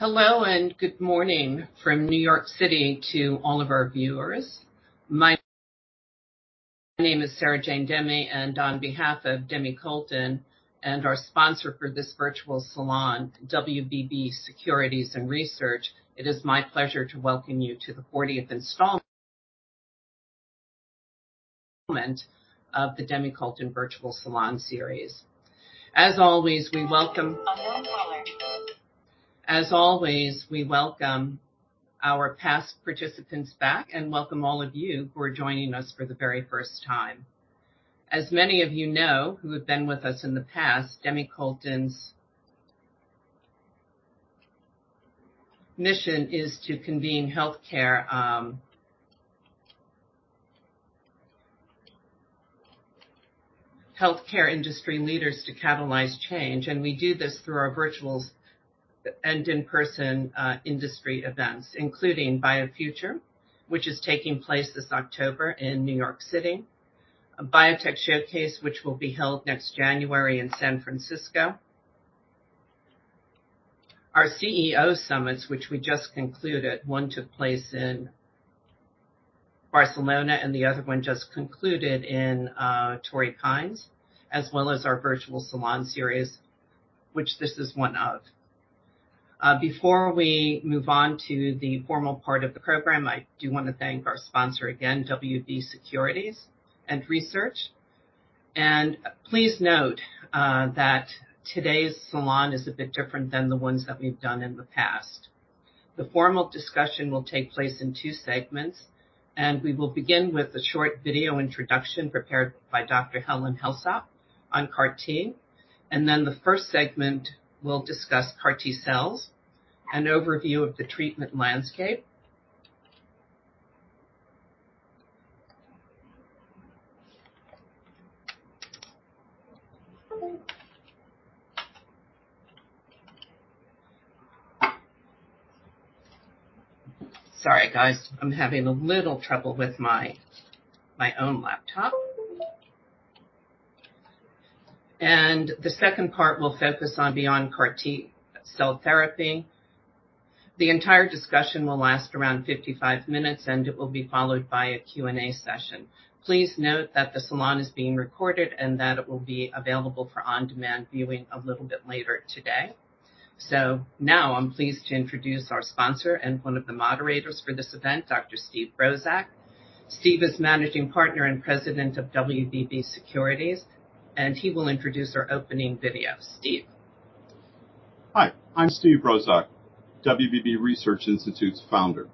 Hello, and good morning from New York City to all of our viewers. My name is Sara Jane Demy, on behalf of Demy-Colton and our sponsor for this virtual salon, WBB Securities and Research, it is my pleasure to welcome you to the 40th installment of the Demy-Colton Virtual Salon Series. As always, we welcome our past participants back and welcome all of you who are joining us for the very first time. As many of you know, who have been with us in the past, Demy-Colton's mission is to convene healthcare industry leaders to catalyze change, and we do this through our virtual and in-person industry events, including BioFuture, which is taking place this October in New York City. Biotech Showcase, which will be held next January in San Francisco. Our CEO Summits, which we just concluded, one took place in Barcelona, and the other one just concluded in Torrey Pines, as well as our Virtual Salon Series, which this is one of. Before we move on to the formal part of the program, I do want to thank our sponsor again, WBB Securities and Research. Please note that today's salon is a bit different than the ones that we've done in the past. The formal discussion will take place in two segments, and we will begin with a short video introduction prepared by Dr. Helen Heslop on CAR T, and then the first segment will discuss CAR T cells, an overview of the treatment landscape. Sorry, guys, I'm having a little trouble with my, my own laptop. The second part will focus on beyond CAR T cell therapy. The entire discussion will last around 55 minutes, and it will be followed by a Q&A session. Please note that the salon is being recorded, and that it will be available for on-demand viewing a little bit later today. Now I'm pleased to introduce our sponsor and one of the moderators for this event, Dr. Steve Brozak. Steve is Managing Partner and President of WBB Securities, and he will introduce our opening video. Steve? Hi, I'm Steve Brozak, WBB Research Institute's founder.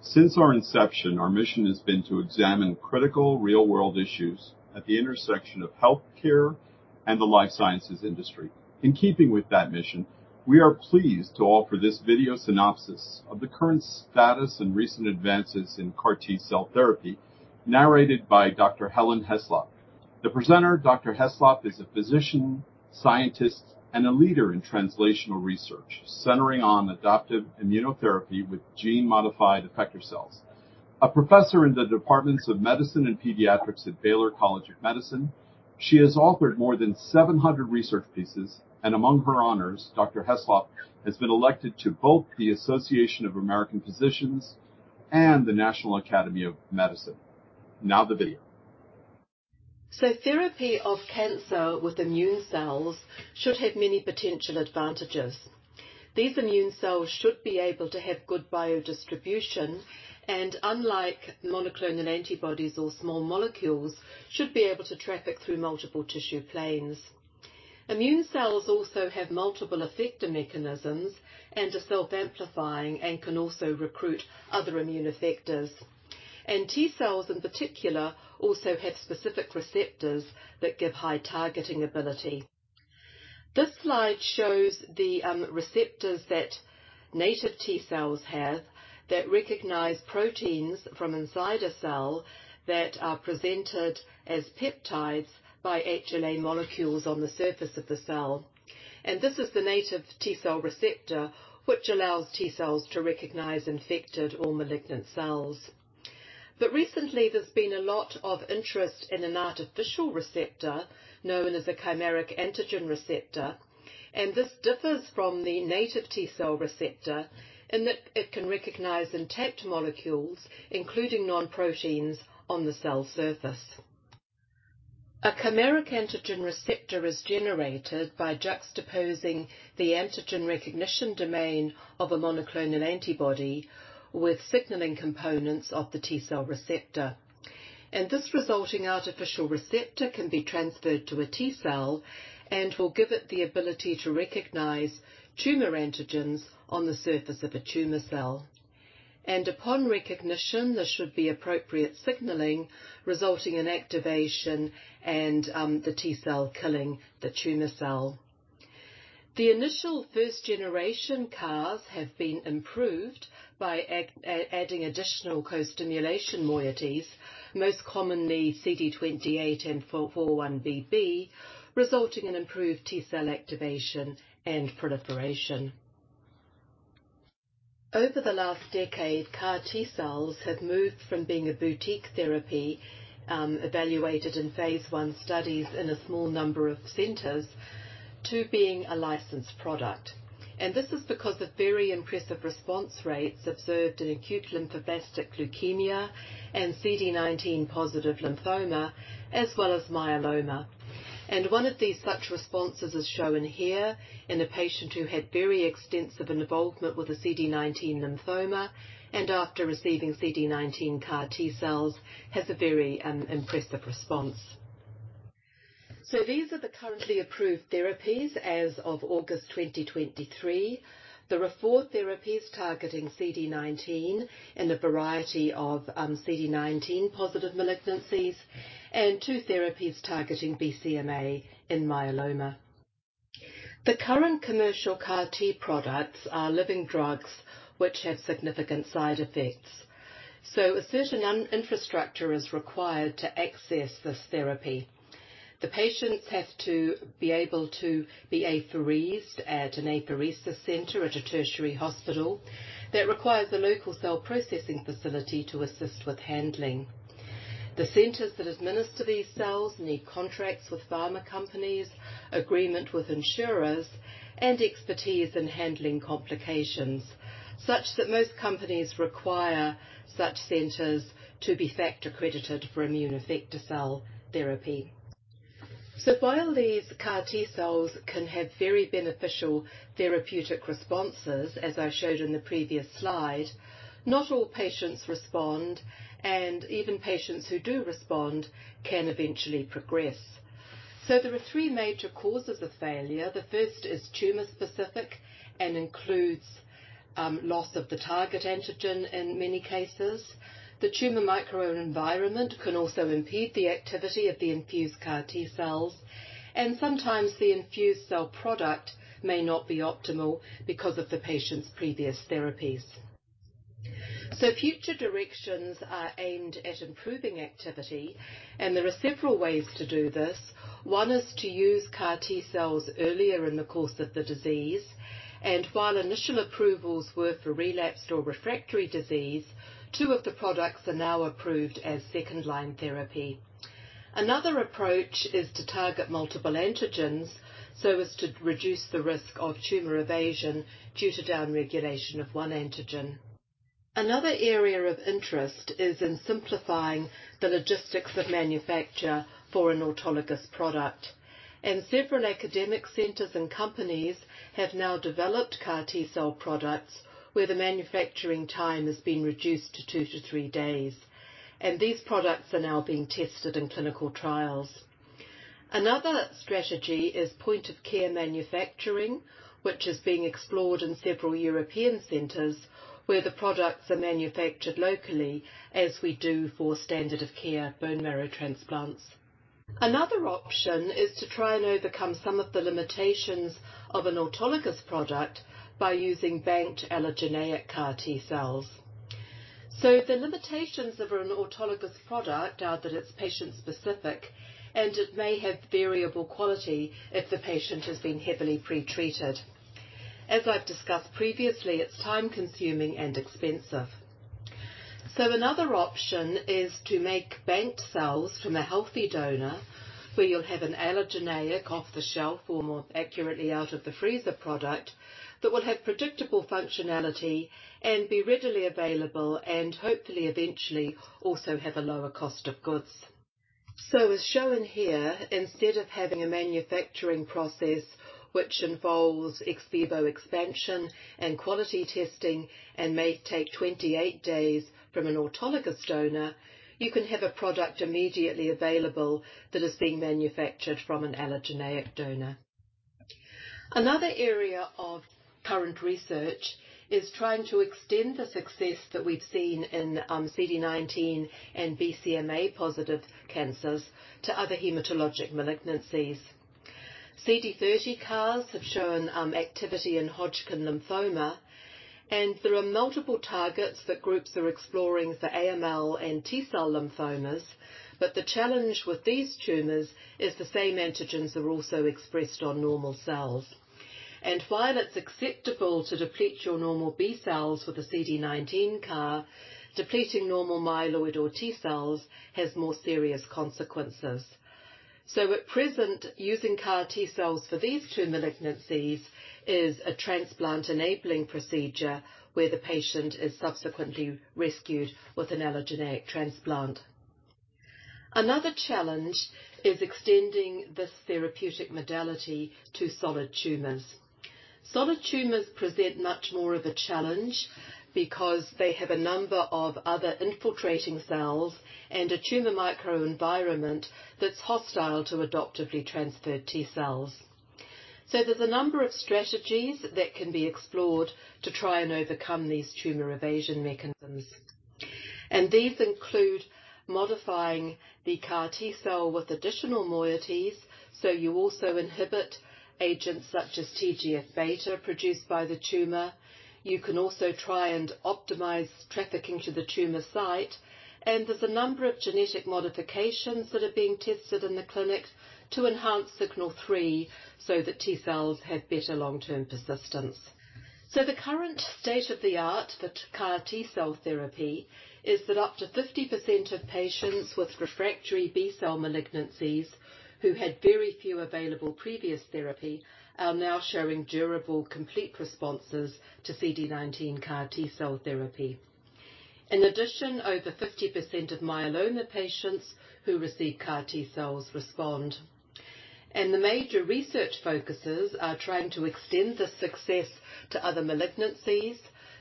Since our inception, our mission has been to examine critical, real-world issues at the intersection of healthcare and the life sciences industry. In keeping with that mission, we are pleased to offer this video synopsis of the current status and recent advances in CAR T-cell therapy, narrated by Dr. Helen Heslop. The presenter, Dr. Heslop, is a physician, scientist, and a leader in translational research centering on adoptive immunotherapy with gene-modified effector cells. A professor in the Departments of Medicine and Pediatrics at Baylor College of Medicine, she has authored more than 700 research pieces, and among her honors, Dr. Heslop has been elected to both the Association of American Physicians and the National Academy of Medicine. Now, the video. Therapy of cancer with immune cells should have many potential advantages. These immune cells should be able to have good biodistribution and, unlike monoclonal antibodies or small molecules, should be able to traffic through multiple tissue planes. Immune cells also have multiple effector mechanisms and are self-amplifying and can also recruit other immune effectors. T cells, in particular, also have specific receptors that give high targeting ability. This slide shows the receptors that native T cells have that recognize proteins from inside a cell that are presented as peptides by HLA molecules on the surface of the cell. This is the native T cell receptor, which allows T cells to recognize infected or malignant cells. Recently, there's been a lot of interest in an artificial receptor known as a chimeric antigen receptor. This differs from the native T cell receptor in that it can recognize intact molecules, including non-proteins, on the cell surface. A chimeric antigen receptor is generated by juxtaposing the antigen recognition domain of a monoclonal antibody with signaling components of the T cell receptor. This resulting artificial receptor can be transferred to a T cell and will give it the ability to recognize tumor antigens on the surface of a tumor cell. Upon recognition, there should be appropriate signaling, resulting in activation and the T cell killing the tumor cell. The initial first-generation CARs have been improved by adding additional co-stimulation moieties, most commonly CD28 and 4-1BB, resulting in improved T cell activation and proliferation. Over the last decade, CAR T cells have moved from being a boutique therapy, evaluated in phase I studies in a small number of centers, to being a licensed product. This is because of very impressive response rates observed in acute lymphoblastic leukemia and CD19 positive lymphoma, as well as myeloma. One of these such responses is shown here in a patient who had very extensive involvement with a CD19 lymphoma and after receiving CD19 CAR T cells, has a very impressive response. These are the currently approved therapies as of August 2023. There are four therapies targeting CD19 in a variety of CD19 positive malignancies and two therapies targeting BCMA in myeloma. The current commercial CAR T products are living drugs, which have significant side effects. A certain infrastructure is required to access this therapy. The patients have to be able to be apheresed at an apheresis center at a tertiary hospital. That requires a local cell processing facility to assist with handling. The centers that administer these cells need contracts with pharma companies, agreement with insurers, and expertise in handling complications, such that most companies require such centers to be FACT accredited for immune effector cell therapy. While these CAR T cells can have very beneficial therapeutic responses, as I showed in the previous slide, not all patients respond, and even patients who do respond can eventually progress. There are three major causes of failure. The first is tumor-specific and includes loss of the target antigen in many cases. The tumor microenvironment can also impede the activity of the infused CAR T cells, and sometimes the infused cell product may not be optimal because of the patient's previous therapies. Future directions are aimed at improving activity, and there are several ways to do this. One is to use CAR T cells earlier in the course of the disease, and while initial approvals were for relapsed or refractory disease, two of the products are now approved as second-line therapy. Another approach is to target multiple antigens, so as to reduce the risk of tumor evasion due to downregulation of one antigen. Another area of interest is in simplifying the logistics of manufacture for an autologous product. Several academic centers and companies have now developed CAR T cell products, where the manufacturing time has been reduced to two to three days, and these products are now being tested in clinical trials. Another strategy is point-of-care manufacturing, which is being explored in several European centers, where the products are manufactured locally, as we do for standard of care bone marrow transplants. Another option is to try and overcome some of the limitations of an autologous product by using banked allogeneic CAR T cells. The limitations of an autologous product are that it's patient-specific, and it may have variable quality if the patient has been heavily pre-treated. As I've discussed previously, it's time-consuming and expensive. Another option is to make banked cells from a healthy donor, where you'll have an allogeneic off-the-shelf, or more accurately, out-of-the-freezer product, that will have predictable functionality and be readily available and hopefully eventually also have a lower cost of goods. As shown here, instead of having a manufacturing process which involves ex vivo expansion and quality testing and may take 28 days from an autologous donor, you can have a product immediately available that has been manufactured from an allogeneic donor. Another area of current research is trying to extend the success that we've seen in CD19 and BCMA positive cancers to other hematologic malignancies. CD30 CARs have shown activity in Hodgkin lymphoma, and there are multiple targets that groups are exploring for AML and T-cell lymphomas, but the challenge with these tumors is the same antigens are also expressed on normal cells. While it's acceptable to deplete your normal B cells with a CD19 CAR, depleting normal myeloid or T cells has more serious consequences. At present, using CAR T cells for these two malignancies is a transplant-enabling procedure, where the patient is subsequently rescued with an allogeneic transplant. Another challenge is extending this therapeutic modality to solid tumors. Solid tumors present much more of a challenge because they have a number of other infiltrating cells and a tumor microenvironment that's hostile to adoptively transferred T cells. There's a number of strategies that can be explored to try and overcome these tumor evasion mechanisms, and these include modifying the CAR T-cell with additional moieties, so you also inhibit agents such as TGF-beta produced by the tumor. You can also try and optimize trafficking to the tumor site. There's a number of genetic modifications that are being tested in the clinic to enhance signal three so that T-cells have better long-term persistence. The current state-of-the-art for CAR T-cell therapy is that up to 50% of patients with refractory B-cell malignancies, who had very few available previous therapy, are now showing durable, complete responses to CD19 CAR T-cell therapy. In addition, over 50% of myeloma patients who receive CAR T-cells respond. The major research focuses are trying to extend this success to other malignancies,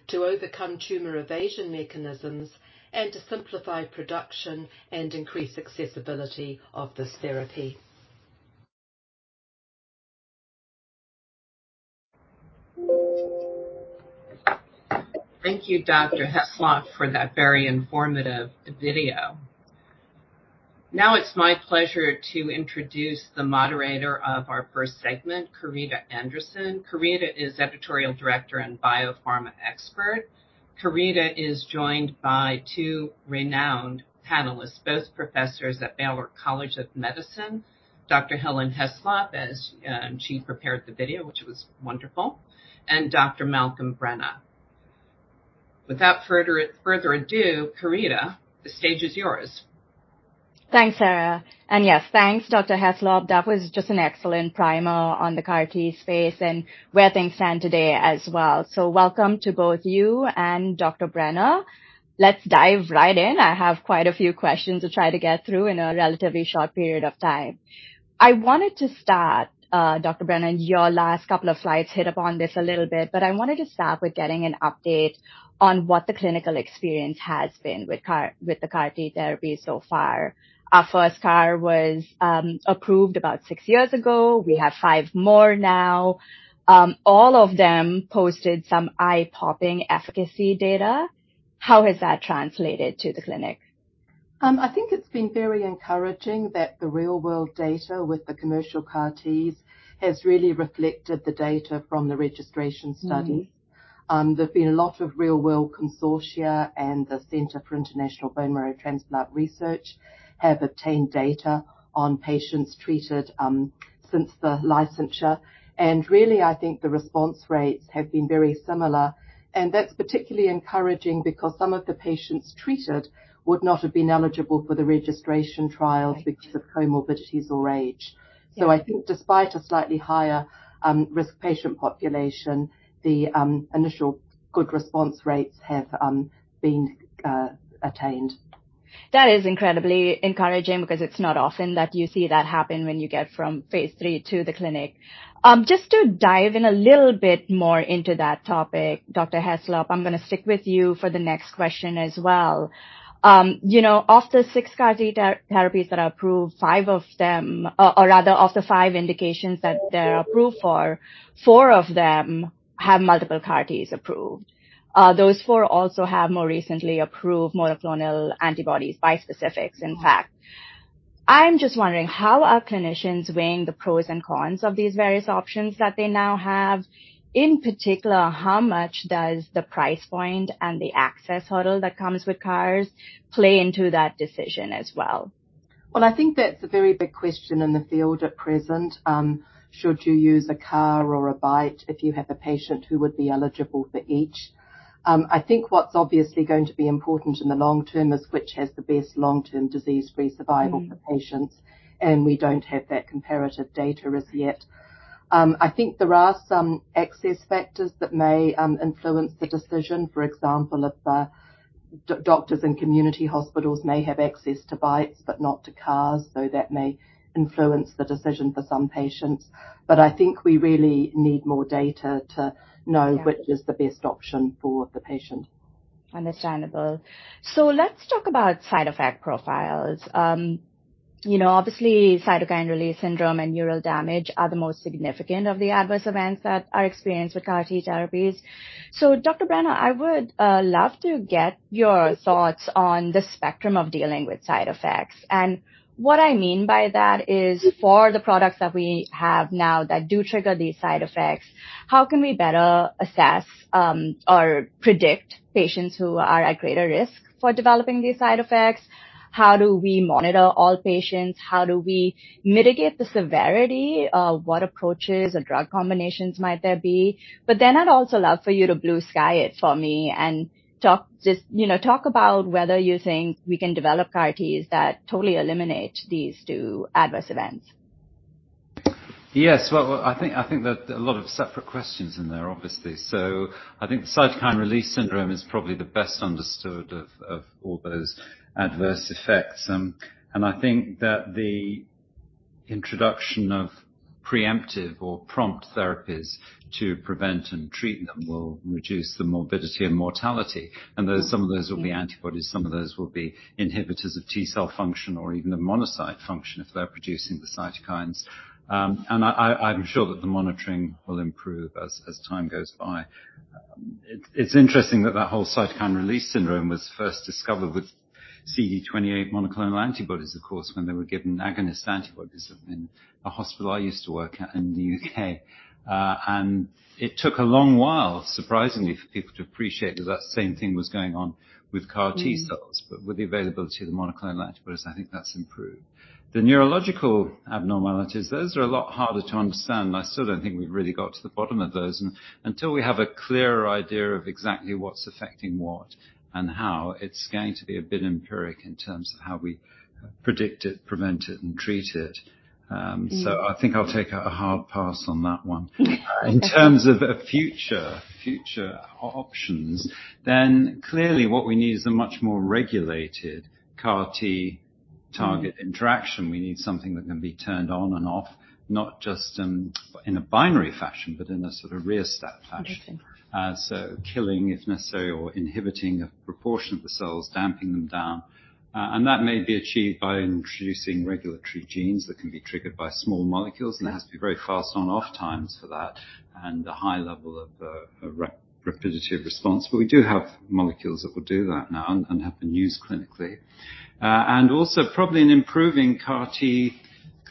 to overcome tumor evasion mechanisms, and to simplify production and increase accessibility of this therapy. Thank you, Dr. Heslop, for that very informative video. Now it's my pleasure to introduce the moderator of our first segment, Querida Anderson. Querida is editorial director and biopharma expert. Querida is joined by two renowned panelists, both professors at Baylor College of Medicine, Dr. Helen Heslop, as she prepared the video, which was wonderful, and Dr. Malcolm Brenner. Without further, further ado, Querida, the stage is yours. Thanks, Sara. Yes, thanks, Dr. Heslop. That was just an excellent primer on the CAR T space and where things stand today as well. Welcome to both you and Dr. Brenner. Let's dive right in. I have quite a few questions to try to get through in a relatively short period of time. I wanted to start, Dr. Brenner, your last couple of slides hit upon this a little bit, but I wanted to start with getting an update on what the clinical experience has been with CAR, with the CAR T therapy so far. Our first CAR was approved about six years ago. We have five more now. All of them posted some eye-popping efficacy data. How has that translated to the clinic? I think it's been very encouraging that the real-world data with the commercial CAR Ts has really reflected the data from the registration studies. There's been a lot of real-world consortia, the Center for International Blood and Marrow Transplant Research have obtained data on patients treated since the licensure. Really, I think the response rates have been very similar, and that's particularly encouraging because some of the patients treated would not have been eligible for the registration trials because of comorbidities or age. Yeah. I think despite a slightly higher risk patient population, the initial good response rates have been attained. That is incredibly encouraging because it's not often that you see that happen when you get from phase III to the clinic. Just to dive in a little bit more into that topic, Dr. Heslop, I'm gonna stick with you for the next question as well. You know, of the six CAR T therapies that are approved, five of them. Or rather, of the five indications that they're approved for, four of them have multiple CAR Ts approved. Those four also have more recently approved monoclonal antibodies, bispecifics, in fact. I'm just wondering, how are clinicians weighing the pros and cons of these various options that they now have? In particular, how much does the price point and the access hurdle that comes with CARs play into that decision as well? Well, I think that's a very big question in the field at present. Should you use a CAR or a BiTE if you have a patient who would be eligible for each? I think what's obviously going to be important in the long term is which has the best long-term disease-free survival for patients, we don't have that comparative data as yet. I think there are some access factors that may influence the decision. For example, if doctors and community hospitals may have access to BiTEs, but not to CARs, so that may influence the decision for some patients. I think we really need more data to know which is the best option for the patient. Understandable. Let's talk about side effect profiles. You know, obviously, cytokine release syndrome and neural damage are the most significant of the adverse events that are experienced with CAR T therapies. Dr. Brenner, I would love to get your thoughts on the spectrum of dealing with side effects. What I mean by that is, for the products that we have now that do trigger these side effects, how can we better assess or predict patients who are at greater risk for developing these side effects? How do we monitor all patients? How do we mitigate the severity? What approaches or drug combinations might there be? Then I'd also love for you to blue sky it for me and talk, just, you know, talk about whether you think we can develop CAR Ts that totally eliminate these two adverse events. Yes, well, I think, I think that a lot of separate questions in there, obviously. I think cytokine release syndrome is probably the best understood of, of all those adverse effects. I think that the introduction of preemptive or prompt therapies to prevent and treat them will reduce the morbidity and mortality. Those, some of those will be antibodies, some of those will be inhibitors of T-cell function or even a monocyte function if they're producing the cytokines. I, I, I'm sure that the monitoring will improve as, as time goes by. It's interesting that that whole Cytokine release syndrome was first discovered with CD28 monoclonal antibodies, of course, when they were given agonist antibodies in a hospital I used to work at in the U.K. It took a long while, surprisingly, for people to appreciate that that same thing was going on with CAR T cells. With the availability of the monoclonal antibodies, I think that's improved. The neurological abnormalities, those are a lot harder to understand, and I still don't think we've really got to the bottom of those. Until we have a clearer idea of exactly what's affecting what and how, it's going to be a bit empiric in terms of how we predict it, prevent it, and treat it. I think I'll take a hard pass on that one. In terms of, of future, future o-options, then clearly what we need is a much more regulated CAR T target interaction. We need something that can be turned on and off, not just in a binary fashion, but in a sort of rheostat fashion. Killing, if necessary, or inhibiting a proportion of the cells, damping them down. That may be achieved by introducing regulatory genes that can be triggered by small molecules. There has to be very fast on/off times for that, and a high level of rapidity of response. We do have molecules that will do that now and, and have been used clinically. Also probably in improving CAR T,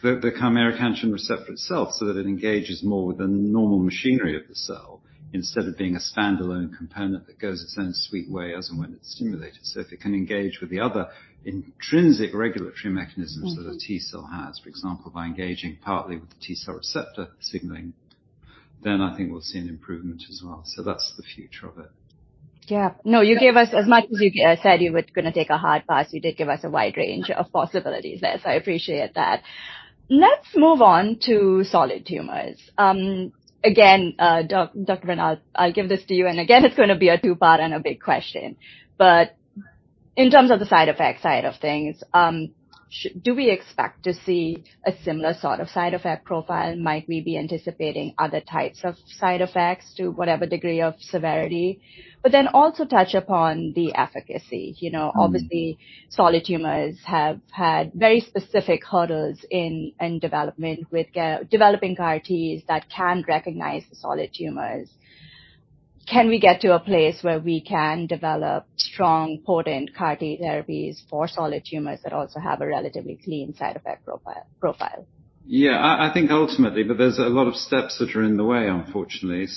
the, the chimeric antigen receptor itself, so that it engages more with the normal machinery of the cell, instead of being a standalone component that goes its own sweet way as and when it's stimulated. If it can engage with the other intrinsic regulatory mechanisms that a T cell has, for example, by engaging partly with the T cell receptor signaling, then I think we'll see an improvement as well. That's the future of it. Yeah. No, you gave us as much as you said you were gonna take a hard pass, you did give us a wide range of possibilities there. I appreciate that. Let's move on to solid tumors. Again, Dr. Brenner, I'll, I'll give this to you, and again, it's gonna be a two-part and a big question. In terms of the side effect side of things, do we expect to see a similar sort of side effect profile? Might we be anticipating other types of side effects to whatever degree of severity? Then also touch upon the efficacy. You know. Obviously, solid tumors have had very specific hurdles in, in development with developing CAR Ts that can recognize the solid tumors. Can we get to a place where we can develop strong, potent CAR T therapies for solid tumors that also have a relatively clean side effect profile? Yeah, I, I think ultimately, but there's a lot of steps that are in the way, unfortunately.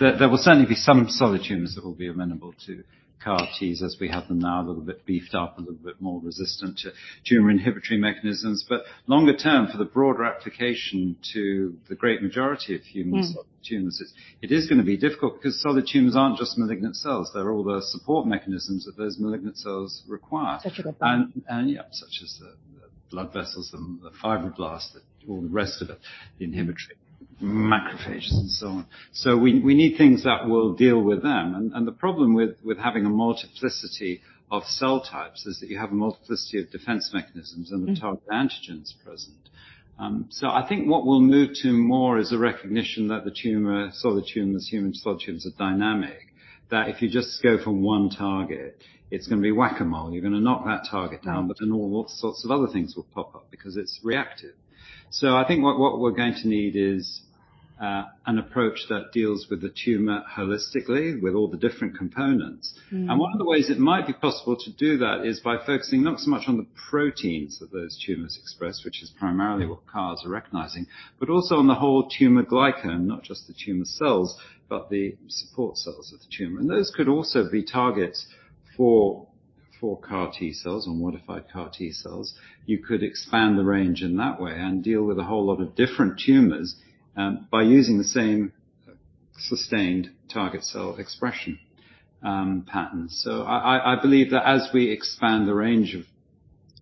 There, there will certainly be some solid tumors that will be amenable to CAR T's, as we have them now, a little bit beefed up, a little bit more resistant to tumor inhibitory mechanisms. Longer term, for the broader application to the great majority of solid tumors, is it is gonna be difficult because solid tumors aren't just malignant cells. They're all the support mechanisms that those malignant cells require. Such a good point. Yep, such as the blood vessels and the fibroblasts, all the rest of it, the inhibitory macrophages and so on. We need things that will deal with them. The problem with having a multiplicity of cell types is that you have a multiplicity of defense mechanisms. The target antigens present. I think what we'll move to more is a recognition that the tumor, solid tumors, human solid tumors are dynamic, that if you just go from one target, it's gonna be whack-a-mole. You're gonna knock that target down. Then all sorts of other things will pop up because it's reactive. I think what, what we're going to need is an approach that deals with the tumor holistically, with all the different components. One of the ways it might be possible to do that is by focusing not so much on the proteins that those tumors express, which is primarily what CARs are recognizing, but also on the whole tumor glycan, not just the tumor cells, but the support cells of the tumor. Those could also be targets for, for CAR T cells and modified CAR T cells. You could expand the range in that way and deal with a whole lot of different tumors by using the same sustained target cell expression patterns. I believe that as we expand the range of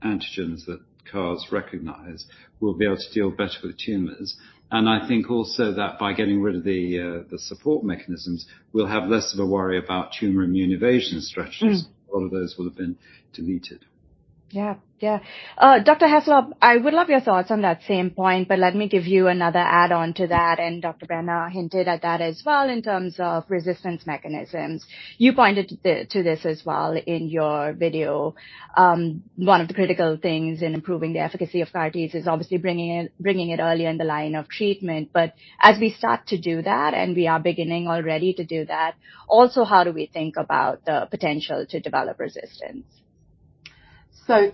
antigens that CARs recognize, we'll be able to deal better with tumors. I think also that by getting rid of the support mechanisms, we'll have less of a worry about tumor immunoevasion strategies. A lot of those will have been deleted. Yeah. Yeah. Dr. Heslop, I would love your thoughts on that same point, but let me give you another add-on to that, and Dr. Malcolm Brenner hinted at that as well, in terms of resistance mechanisms. You pointed to the, to this as well in your video. One of the critical things in improving the efficacy of CAR Ts is obviously bringing it, bringing it earlier in the line of treatment. As we start to do that, and we are beginning already to do that, also, how do we think about the potential to develop resistance?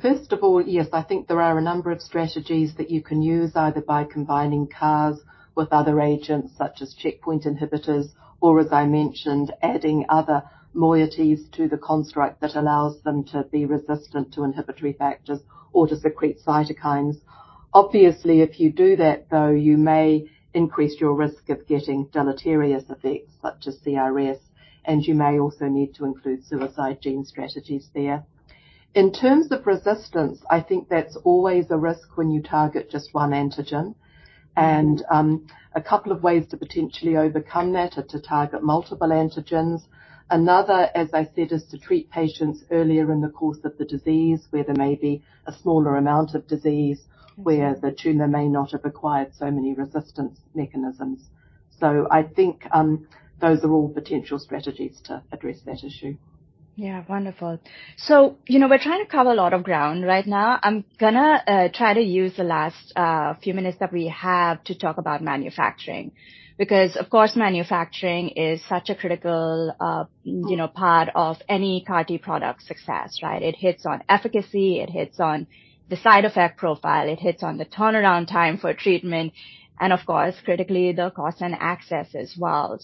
First of all, yes, I think there are a number of strategies that you can use, either by combining CARs with other agents, such as checkpoint inhibitors, or, as I mentioned, adding other moieties to the construct that allows them to be resistant to inhibitory factors or to secrete cytokines. Obviously, if you do that, though, you may increase your risk of getting deleterious effects, such as CRS, and you may also need to include suicide gene strategies there. In terms of resistance, I think that's always a risk when you target just one antigen. A couple of ways to potentially overcome that are to target multiple antigens. Another, as I said, is to treat patients earlier in the course of the disease, where there may be a smaller amount of disease where the tumor may not have acquired so many resistance mechanisms. I think, those are all potential strategies to address that issue. Yeah, wonderful. So, you know, we're trying to cover a lot of ground right now. I'm gonna try to use the last few minutes that we have to talk about manufacturing, because, of course, manufacturing is such a critical, you know, part of any CAR-T product success, right? It hits on efficacy, it hits on the side effect profile, it hits on the turnaround time for treatment and, of course, critically, the cost and access as well.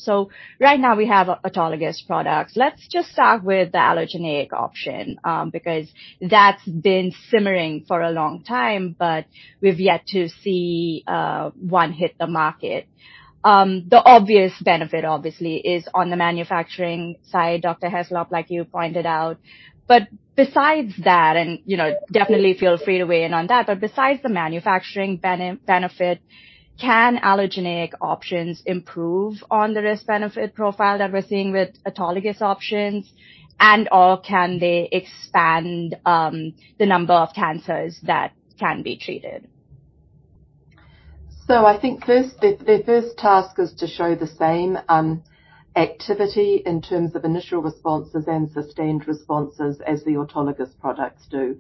Right now, we have autologous products. Let's just start with the allogeneic option, because that's been simmering for a long time, but we've yet to see one hit the market. The obvious benefit, obviously, is on the manufacturing side, Dr. Heslop, like you pointed out, but besides that, and, you know, definitely feel free to weigh in on that, but besides the manufacturing benefit, can allogeneic options improve on the risk-benefit profile that we're seeing with autologous options, and/or can they expand the number of cancers that can be treated? I think first, the first task is to show the same activity in terms of initial responses and sustained responses as the autologous products do.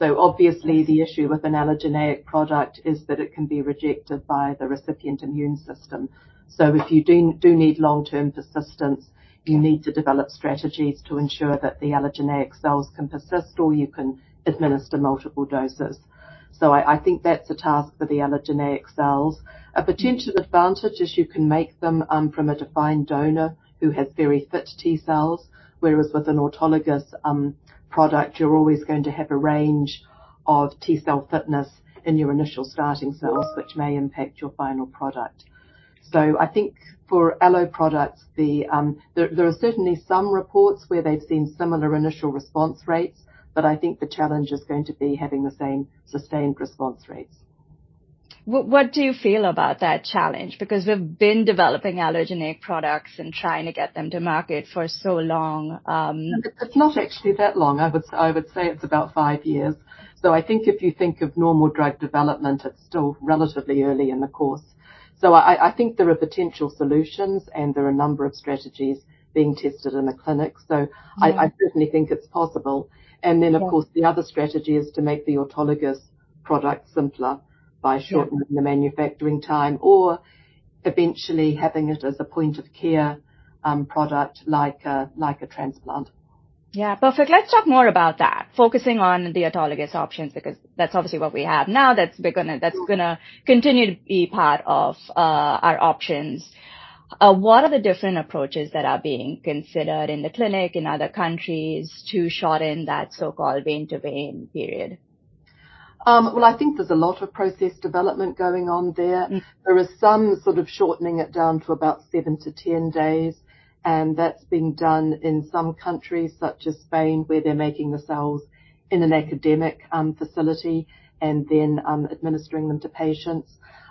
Obviously, the issue with an allogeneic product is that it can be rejected by the recipient immune system. If you do, do need long-term persistence, you need to develop strategies to ensure that the allogeneic cells can persist, or you can administer multiple doses. I, I think that's a task for the allogeneic cells. A potential advantage is you can make them from a defined donor who has very fit T cells, whereas with an autologous product, you're always going to have a range of T cell fitness in your initial starting cells, which may impact your final product. I think for allo products, the... There are certainly some reports where they've seen similar initial response rates, but I think the challenge is going to be having the same sustained response rates. What, what do you feel about that challenge? Because we've been developing allogeneic products and trying to get them to market for so long. It's not actually that long. I would, I would say it's about five years. I think if you think of normal drug development, it's still relatively early in the course. I, I think there are potential solutions, and there are a number of strategies being tested in the clinic. I, I certainly think it's possible. Yeah. Then, of course, the other strategy is to make the autologous product simpler by shortening the manufacturing time or eventually having it as a point-of-care, product, like a, like a transplant. Yeah. Perfect. Let's talk more about that, focusing on the autologous options, because that's obviously what we have now, that's gonna, that's gonna continue to be part of our options. What are the different approaches that are being considered in the clinic, in other countries to shorten that so-called vein to vein period? Well, I think there's a lot of process development going on there. There is some sort of shortening it down to about 7-10 days. That's being done in some countries, such as Spain, where they're making the cells in an academic facility and then administering them to patients.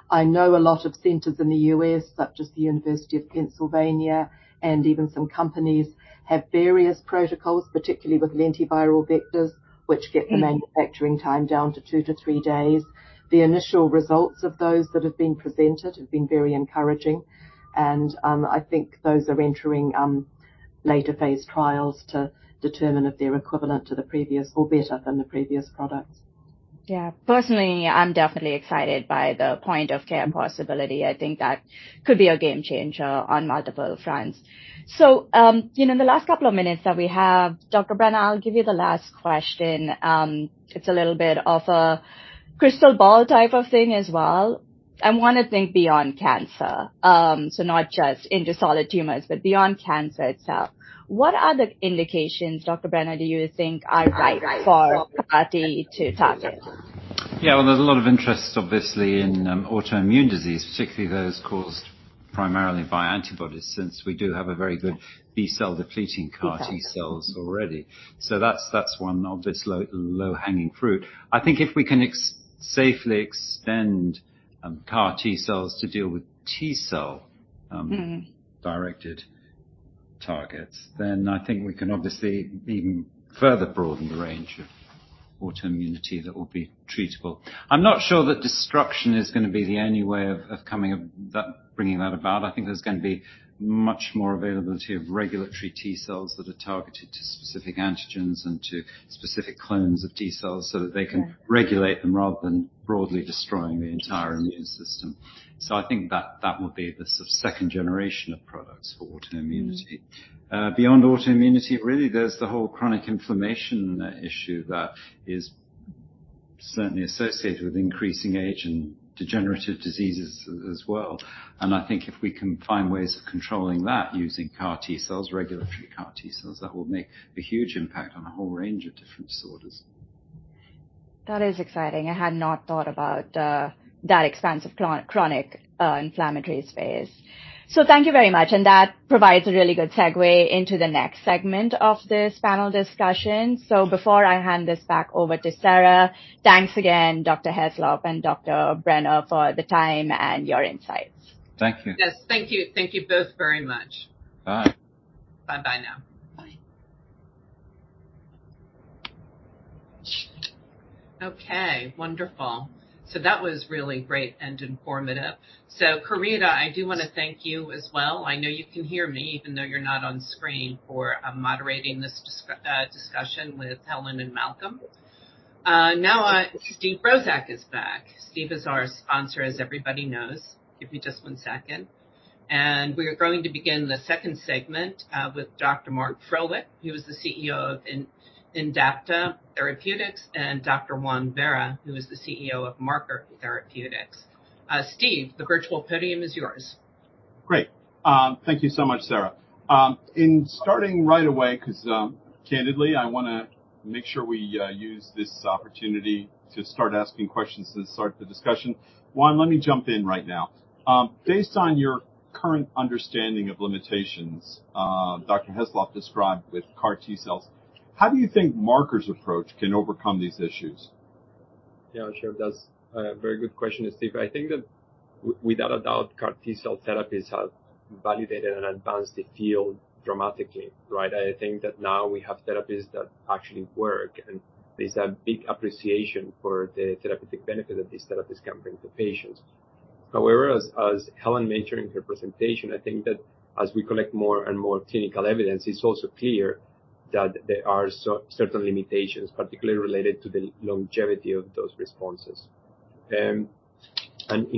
I know a lot of centers in the U.S., such as the University of Pennsylvania, even some companies, have various protocols, particularly with lentiviral vectors which get the manufacturing time down to two to three days. The initial results of those that have been presented have been very encouraging, and I think those are entering later phase trials to determine if they're equivalent to the previous or better than the previous products. Yeah. Personally, I'm definitely excited by the point-of-care possibility. I think that could be a game changer on multiple fronts. You know, in the last couple of minutes that we have, Dr. Brenner, I'll give you the last question. It's a little bit of a crystal ball type of thing as well. I wanna think beyond cancer, so not just into solid tumors, but beyond cancer itself. What other indications, Dr. Brenner, do you think are right for CAR-T to target? Yeah, well, there's a lot of interest, obviously, in, autoimmune disease, particularly those caused primarily by antibodies, since we do have a very good B-cell depleting CAR T cells already. That's, that's one obvious low-hanging fruit. I think if we can safely extend CAR T cells to deal with T cell directed targets, then I think we can obviously even further broaden the range of autoimmunity that will be treatable. I'm not sure that destruction is gonna be the only way of bringing that about. I think there's gonna be much more availability of regulatory T cells that are targeted to specific antigens and to specific clones of T cells, so that they can regulate them rather than broadly destroying the entire immune system. I think that, that would be the sort of second generation of products for autoimmunity. Beyond autoimmunity, really, there's the whole chronic inflammation issue that is certainly associated with increasing age and degenerative diseases as well, and I think if we can find ways of controlling that using CAR T cells, regulatory CAR T cells, that will make a huge impact on a whole range of different disorders. That is exciting. I had not thought about, that expanse of chronic, inflammatory phase. Thank you very much, and that provides a really good segue into the next segment of this panel discussion. Before I hand this back over to Sara, thanks again, Dr. Heslop and Dr. Brenner, for the time and your insights. Thank you. Yes, thank you. Thank you both very much. Bye. Bye-bye now. Bye. Okay, wonderful. That was really great and informative. Querida, I do want to thank you as well. I know you can hear me, even though you're not on screen, for moderating this discussion with Helen and Malcolm. Now, Steve Brozak is back. Steve is our sponsor, as everybody knows. Give me just one second, and we are going to begin the second segment with Dr. Mark Frohlich, who is the CEO of Indapta Therapeutics, and Dr. Juan Vera, who is the CEO of Marker Therapeutics. Steve, the virtual podium is yours. Great. Thank you so much, Sara. In starting right away, 'cause, candidly, I wanna make sure we use this opportunity to start asking questions and start the discussion. Juan, let me jump in right now. Based on your current understanding of limitations, Dr. Heslop described with CAR T cells, how do you think Marker's approach can overcome these issues? Yeah, sure. That's a very good question, Steve. I think that without a doubt, CAR T cell therapies have validated and advanced the field dramatically, right? I think that now we have therapies that actually work, and there's a big appreciation for the therapeutic benefit that these therapies can bring to patients. However, as Helen mentioned in her presentation, I think that as we collect more and more clinical evidence, it's also clear that there are certain limitations, particularly related to the longevity of those responses. In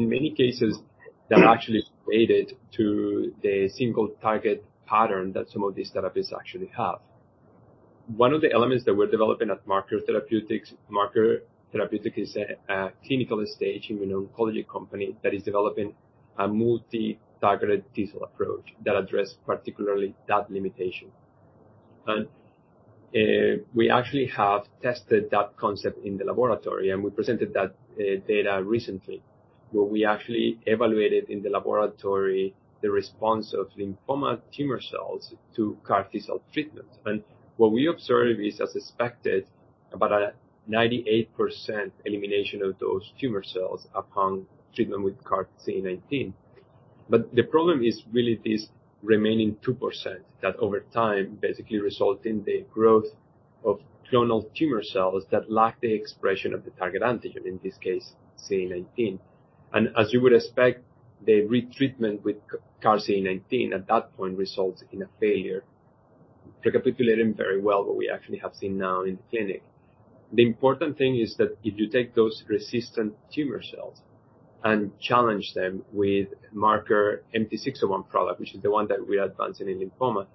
many cases, that actually is related to the single target pattern that some of these therapies actually have. One of the elements that we're developing at Marker Therapeutics, Marker Therapeutics is a clinical stage immuno-oncology company that is developing a multi-targeted T cell approach that address particularly that limitation. We actually have tested that concept in the laboratory, and we presented that data recently, where we actually evaluated in the laboratory the response of lymphoma tumor cells to CAR T-cell treatment. What we observe is, as expected, about a 98% elimination of those tumor cells upon treatment with CAR T19. The problem is really this remaining 2%, that over time, basically result in the growth of clonal tumor cells that lack the expression of the target antigen, in this case, CD19. As you would expect, the retreatment with CAR T19, at that point, results in a failure, recapitulating very well what we actually have seen now in the clinic. The important thing is that if you take those resistant tumor cells and challenge them with Marker MT-601 product, which is the one that we're advancing in lymphoma,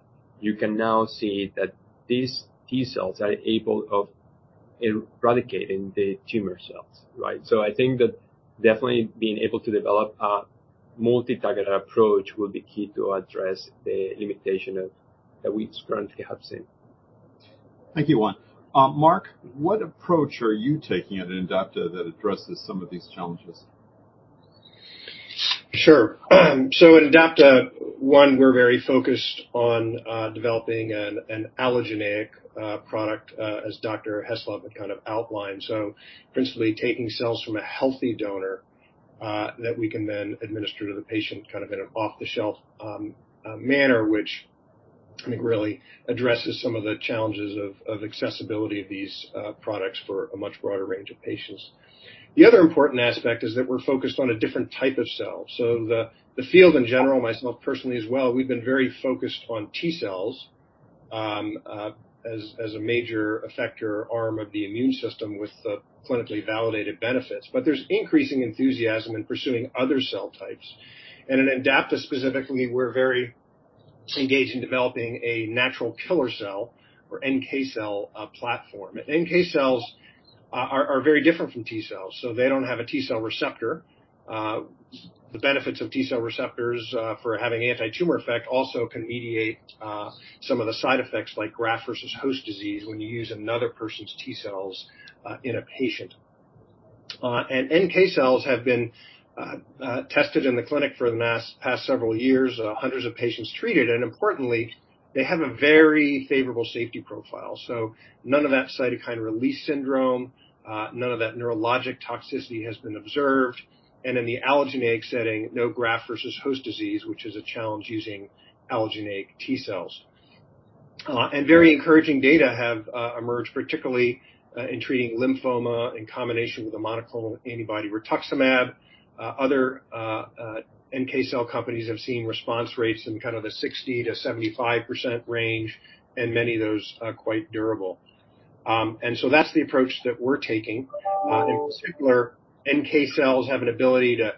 you can now see that these T cells are able of eradicating the tumor cells, right? I think that definitely being able to develop a multi-targeted approach will be key to address the limitation of... that we currently have seen. Thank you, Juan. Mark, what approach are you taking at Indapta that addresses some of these challenges? Sure. In Indapta, one, we're very focused on developing an allogeneic product as Dr. Helen Heslop had kind of outlined. Principally, taking cells from a healthy donor that we can then administer to the patient, kind of in an off-the-shelf manner, which I think really addresses some of the challenges of accessibility of these products for a much broader range of patients. The other important aspect is that we're focused on a different type of cell. The, the field in general, myself, personally, as well, we've been very focused on T cells as a major effector arm of the immune system with clinically validated benefits. There's increasing enthusiasm in pursuing other cell types. In Indapta specifically, we're very engaged in developing a natural killer cell or NK cell platform. NK cells are, are very different from T cells, so they don't have a T cell receptor. The benefits of T cell receptors for having anti-tumor effect also can mediate some of the side effects, like graft versus host disease, when you use another person's T cells in a patient. NK cells have been tested in the clinic for the last past several years, hundreds of patients treated, and importantly, they have a very favorable safety profile. None of that cytokine release syndrome, none of that neurologic toxicity has been observed, and in the allogeneic setting, no graft versus host disease, which is a challenge using allogeneic T cells. Very encouraging data have emerged, particularly in treating lymphoma in combination with a monoclonal antibody rituximab. Other NK cell companies have seen response rates in kind of the 60%-75% range, and many of those are quite durable. So that's the approach that we're taking. In particular, NK cells have an ability to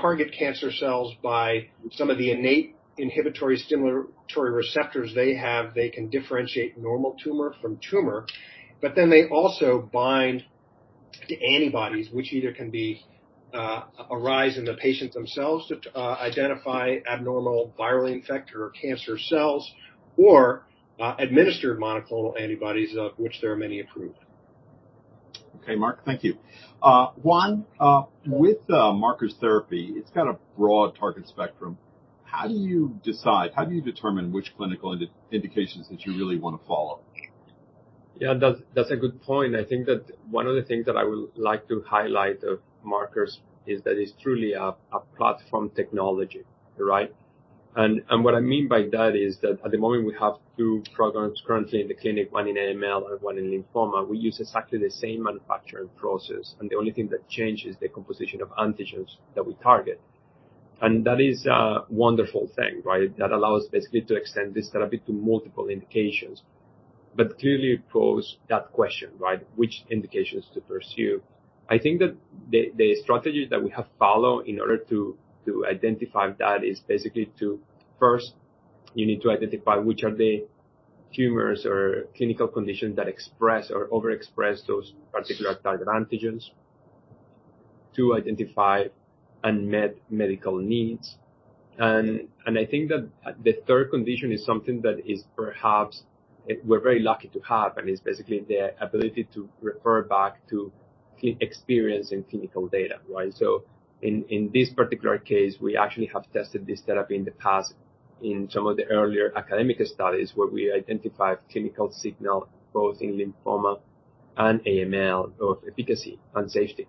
target cancer cells by some of the innate inhibitory stimulatory receptors they have. They can differentiate normal tumor from tumor, but then they also bind to antibodies, which either can be, arise in the patients themselves to, identify abnormal virally infected or cancer cells or, administered monoclonal antibodies, of which there are many approved. Okay, Mark, thank you. Juan, with Marker's therapy, it's got a broad target spectrum. How do you decide? How do you determine which clinical indications that you really want to follow? Yeah, that's, that's a good point. I think that one of the things that I would like to highlight of Markers is that it's truly a, a platform technology, right? What I mean by that is that at the moment, we have two programs currently in the clinic, one in AML and one in lymphoma. We use exactly the same manufacturing process, and the only thing that changes is the composition of antigens that we target. That is a wonderful thing, right? That allows basically to extend this therapy to multiple indications. Clearly, it pose that question, right? Which indications to pursue? I think that the strategy that we have followed in order to identify that is basically to, first, you need to identify which are the tumors or clinical conditions that express or overexpress those particular target antigens, to identify unmet medical needs. I think that the third condition is something that is perhaps. We're very lucky to have, and it's basically the ability to refer back to experience and clinical data, right? In, in this particular case, we actually have tested this therapy in the past in some of the earlier academic studies, where we identified clinical signal, both in lymphoma and AML, of efficacy and safety.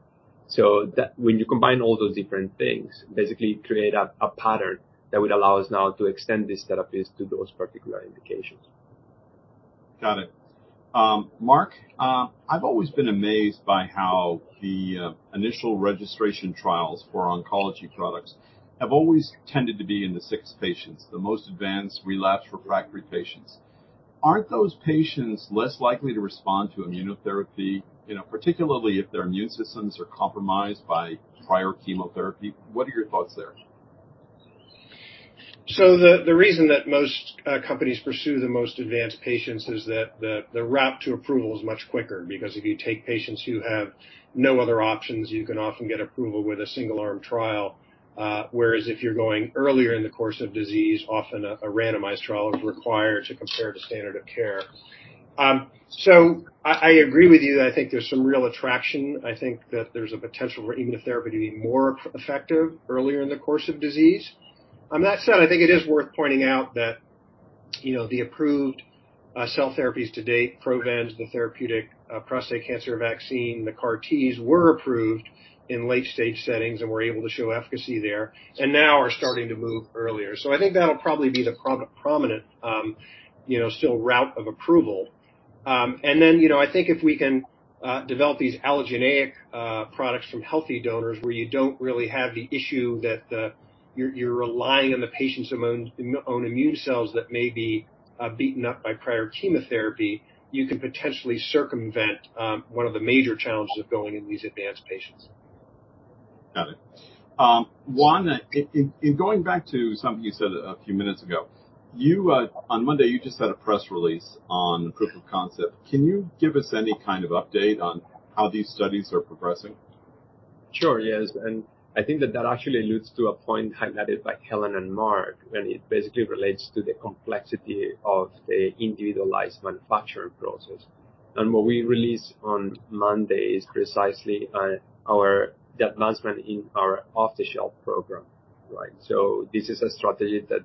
That when you combine all those different things, basically create a, a pattern that would allow us now to extend this therapies to those particular indications. Got it. Mark, I've always been amazed by how the initial registration trials for oncology products have always tended to be in the sickest patients, the most advanced relapse refractory patients. Aren't those patients less likely to respond to immunotherapy, you know, particularly if their immune systems are compromised by prior chemotherapy? What are your thoughts there? The, the reason that most companies pursue the most advanced patients is that the, the route to approval is much quicker because if you take patients who have no other options, you can often get approval with a single-arm trial, whereas if you're going earlier in the course of disease, often a, a randomized trial is required to compare the standard of care. I, I agree with you that I think there's some real attraction. I think that there's a potential for immunotherapy to be more effective earlier in the course of disease. On that said, I think it is worth pointing out that, you know, the approved cell therapies to date, Provenge, the therapeutic prostate cancer vaccine, the CAR-Ts, were approved in late-stage settings and were able to show efficacy there, and now are starting to move earlier. I think that'll probably be the prominent, you know, still route of approval. Then, you know, I think if we can develop these allogeneic products from healthy donors, where you don't really have the issue that you're, you're relying on the patient's own, own immune cells that may be beaten up by prior chemotherapy, you can potentially circumvent one of the major challenges of going in these advanced patients. Got it. Juan, in going back to something you said a few minutes ago, On Monday, you just had a press release on proof of concept. Can you give us any kind of update on how these studies are progressing? Sure, yes, I think that that actually alludes to a point highlighted by Helen and Mark, and it basically relates to the complexity of the individualized manufacturing process. What we released on Monday is precisely, our advancement in our off-the-shelf program, right. This is a strategy that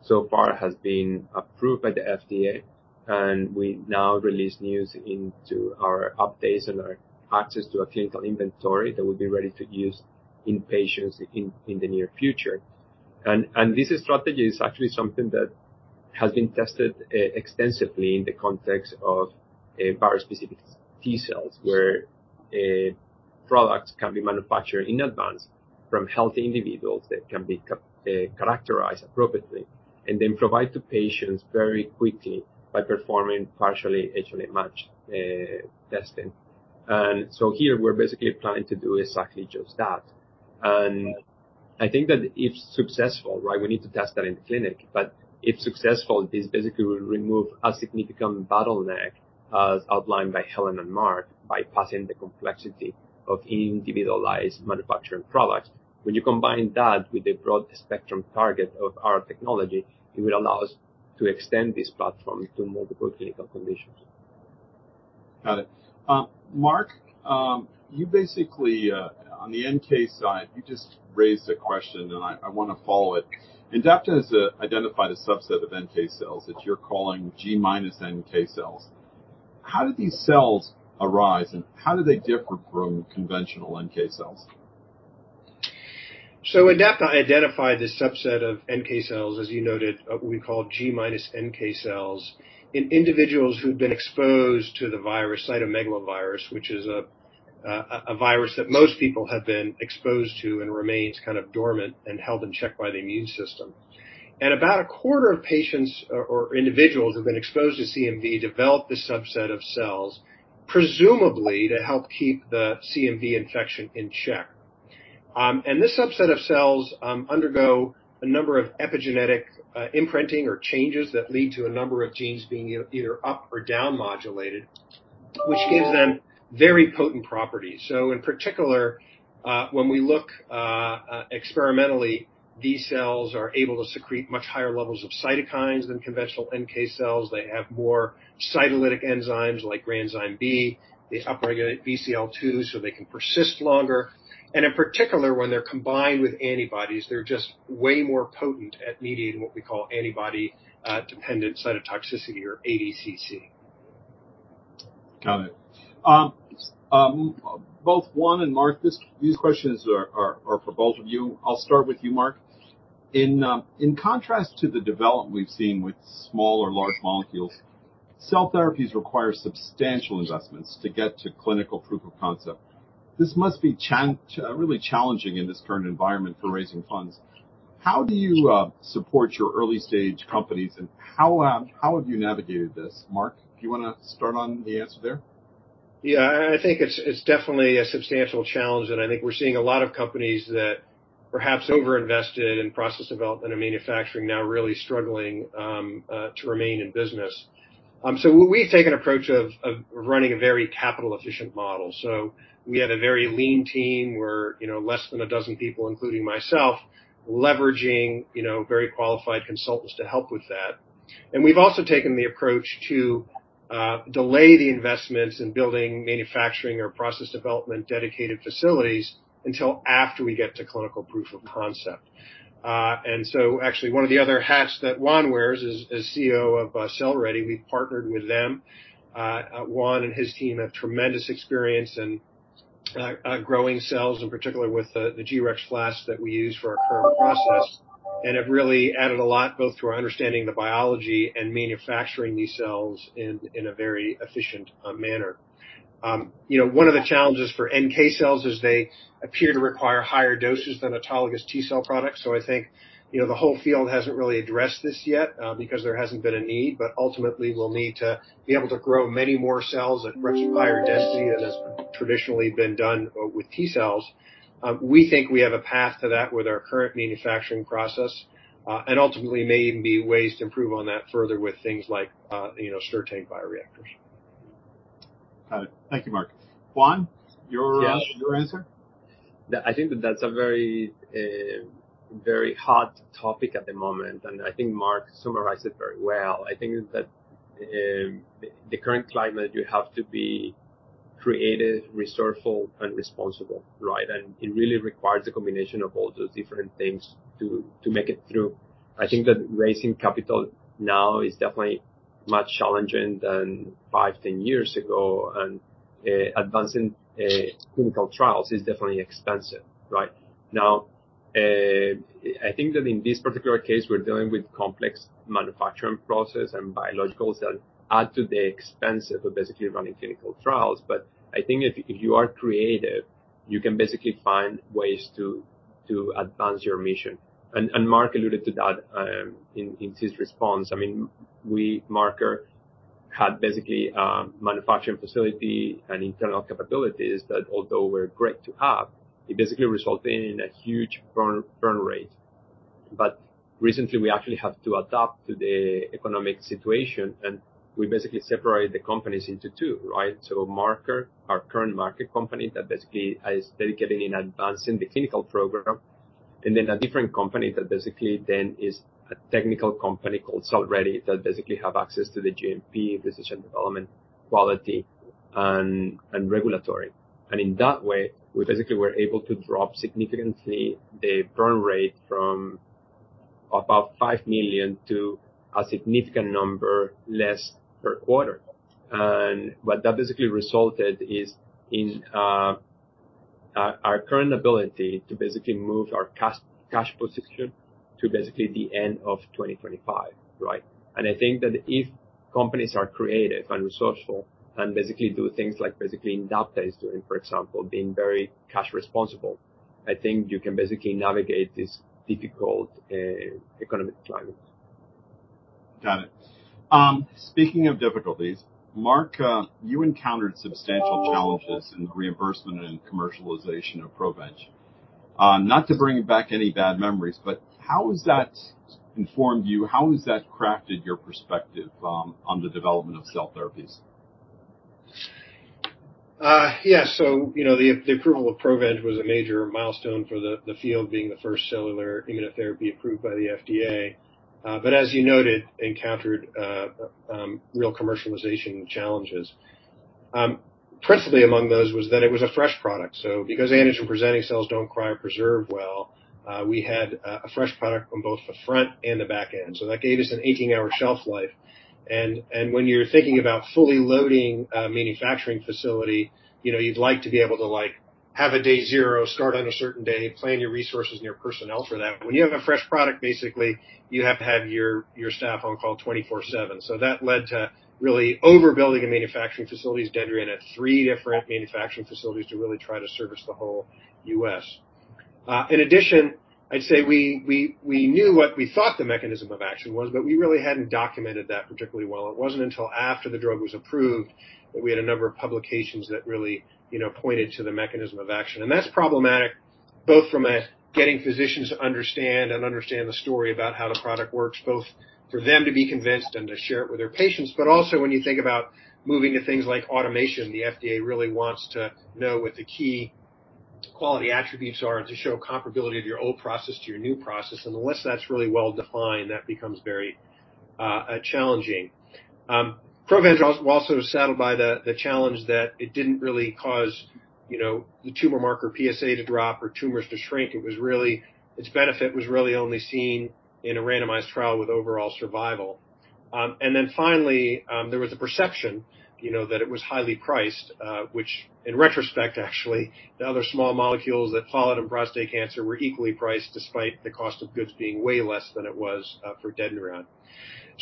so far has been approved by the FDA, and we now release news into our updates and our access to a clinical inventory that will be ready to use in patients in, in the near future. This strategy is actually something that has been tested extensively in the context of virus-specific T cells, where a product can be manufactured in advance from healthy individuals that can be characterized appropriately and then provided to patients very quickly by performing partially HLA match testing. Here we're basically planning to do exactly just that. I think that if successful, right, we need to test that in clinic, but if successful, this basically will remove a significant bottleneck, as outlined by Helen and Mark, by passing the complexity of individualized manufacturing products. When you combine that with the broad spectrum target of our technology, it will allow us to extend this platform to multiple clinical conditions. Got it. Mark, you basically, on the NK side, you just raised a question, and I, I want to follow it. Indapta has identified a subset of NK cells that you're calling g-NK cells. How do these cells arise, and how do they differ from conventional NK cells? Indapta identified this subset of NK cells, as you noted, what we call g-NK cells, in individuals who've been exposed to the virus cytomegalovirus, which is a virus that most people have been exposed to and remains kind of dormant and held in check by the immune system. About a quarter of patients or individuals who've been exposed to CMV develop this subset of cells, presumably to help keep the CMV infection in check. This subset of cells undergo a number of epigenetic imprinting or changes that lead to a number of genes being either up or down modulated, which gives them very potent properties. In particular, when we look experimentally, these cells are able to secrete much higher levels of cytokines than conventional NK cells. They have more cytolytic enzymes like granzyme B. They upregulate Bcl-2, so they can persist longer. In particular, when they're combined with antibodies, they're just way more potent at mediating what we call antibody, dependent cytotoxicity or ADCC. Got it. Both Juan and Mark, these questions are for both of you. I'll start with you, Mark. In contrast to the development we've seen with small or large molecules, cell therapies require substantial investments to get to clinical proof of concept. This must be really challenging in this current environment for raising funds. How do you support your early-stage companies, and how have you navigated this? Mark, do you wanna start on the answer there? Yeah, I think it's, it's definitely a substantial challenge, and I think we're seeing a lot of companies that perhaps over-invested in process development and manufacturing now really struggling to remain in business. We've taken an approach of, of running a very capital-efficient model. We have a very lean team. We're, you know, less than 12 people, including myself, leveraging, you know, very qualified consultants to help with that. We've also taken the approach to delay the investments in building, manufacturing, or process development dedicated facilities until after we get to clinical proof of concept. Actually one of the other hats that Juan wears as, as CEO of CellReady, we've partnered with them. Juan and his team have tremendous experience in growing cells, in particular with the G-Rex flasks that we use for our current process, and have really added a lot both to our understanding of the biology and manufacturing these cells in a very efficient manner. You know, one of the challenges for NK cells is they appear to require higher doses than autologous T-cell products, so I think, you know, the whole field hasn't really addressed this yet because there hasn't been a need, but ultimately we'll need to be able to grow many more cells at much higher density than has traditionally been done with T-cells. We think we have a path to that with our current manufacturing process, and ultimately may even be ways to improve on that further with things like, you know, stirred-tank bioreactors. Got it. Thank you, Mark. Juan. Yes. Your answer? The, I think that that's a very, very hot topic at the moment, and I think Mark summarized it very well. I think that the current climate, you have to be creative, resourceful, and responsible, right? It really requires a combination of all those different things to, to make it through. I think that raising capital now is definitely much challenging than 5, 10 years ago, and advancing clinical trials is definitely expensive, right? Now, I think that in this particular case, we're dealing with complex manufacturing process and biologicals that add to the expense of basically running clinical trials. I think if, if you are creative, you can basically find ways to, to advance your mission. Mark alluded to that, in, in his response. I mean, we, Marker, had basically manufacturing facility and internal capabilities that although were great to have, they basically resulted in a huge burn, burn rate. Recently, we actually had to adapt to the economic situation, and we basically separated the companies into two, right? Marker, our current Marker company, that basically is dedicated in advancing the clinical program, and then a different company that basically then is a technical company called CellReady, that basically have access to the GMP, physician development, quality, and regulatory. In that way, we basically were able to drop significantly the burn rate from about $5 million to a significant number less per quarter. What that basically resulted is in our current ability to basically move our cash, cash position to basically the end of 2025, right? I think that if companies are creative and resourceful and basically do things like basically Indapta is doing, for example, being very cash responsible, I think you can basically navigate this difficult economic climate. Got it. Speaking of difficulties, Mark, you encountered substantial challenges in the reimbursement and commercialization of Provenge. Not to bring back any bad memories, but how has that informed you? How has that crafted your perspective on the development of cell therapies? Yeah, you know, the approval of Provenge was a major milestone for the field, being the first cellular immunotherapy approved by the FDA. But as you noted, encountered real commercialization challenges. Principally among those was that it was a fresh product. Because antigen-presenting cells don't cryopreserve well, we had a fresh product on both the front and the back end, so that gave us an 18-hour shelf life. When you're thinking about fully loading a manufacturing facility, you know, you'd like to be able to, like, have a day zero, start on a certain day, plan your resources and your personnel for that. When you have a fresh product, basically, you have to have your staff on call 24/7. That led to really overbuilding the manufacturing facilities. Dendreon had three different manufacturing facilities to really try to service the whole U.S. In addition, I'd say we, we, we knew what we thought the mechanism of action was, but we really hadn't documented that particularly well. It wasn't until after the drug was approved that we had a number of publications that really, you know, pointed to the mechanism of action. That's problematic both from a getting physicians to understand and understand the story about how the product works, both for them to be convinced and to share it with their patients, but also when you think about moving to things like automation, the FDA really wants to know what the key quality attributes are to show comparability of your old process to your new process, and unless that's really well-defined, that becomes very challenging. Provenge also was saddled by the, the challenge that it didn't really cause, you know, the tumor marker PSA to drop or tumors to shrink. It was really. Its benefit was really only seen in a randomized trial with overall survival. Then finally, there was a perception, you know, that it was highly priced, which in retrospect, actually, the other small molecules that followed in prostate cancer were equally priced despite the cost of goods being way less than it was for Dendreon.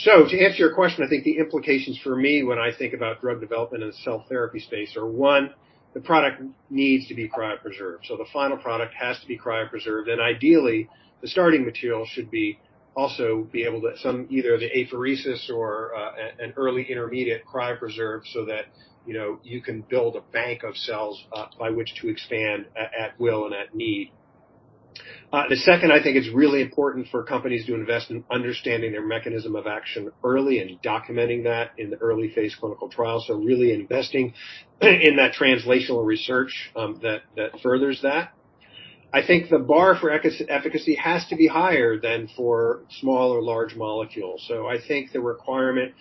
To answer your question, I think the implications for me when I think about drug development in the cell therapy space are, one, the product needs to be cryopreserved. So the final product has to be cryopreserved, and ideally, the starting material should be also be able to some either the apheresis or an early intermediate cryopreserve so that, you know, you can build a bank of cells by which to expand at will and at need. The second, I think it's really important for companies to invest in understanding their mechanism of action early and documenting that in the early phase clinical trials. Really investing in that translational research that furthers that. I think the bar for efficacy has to be higher than for small or large molecules. I think the requirement,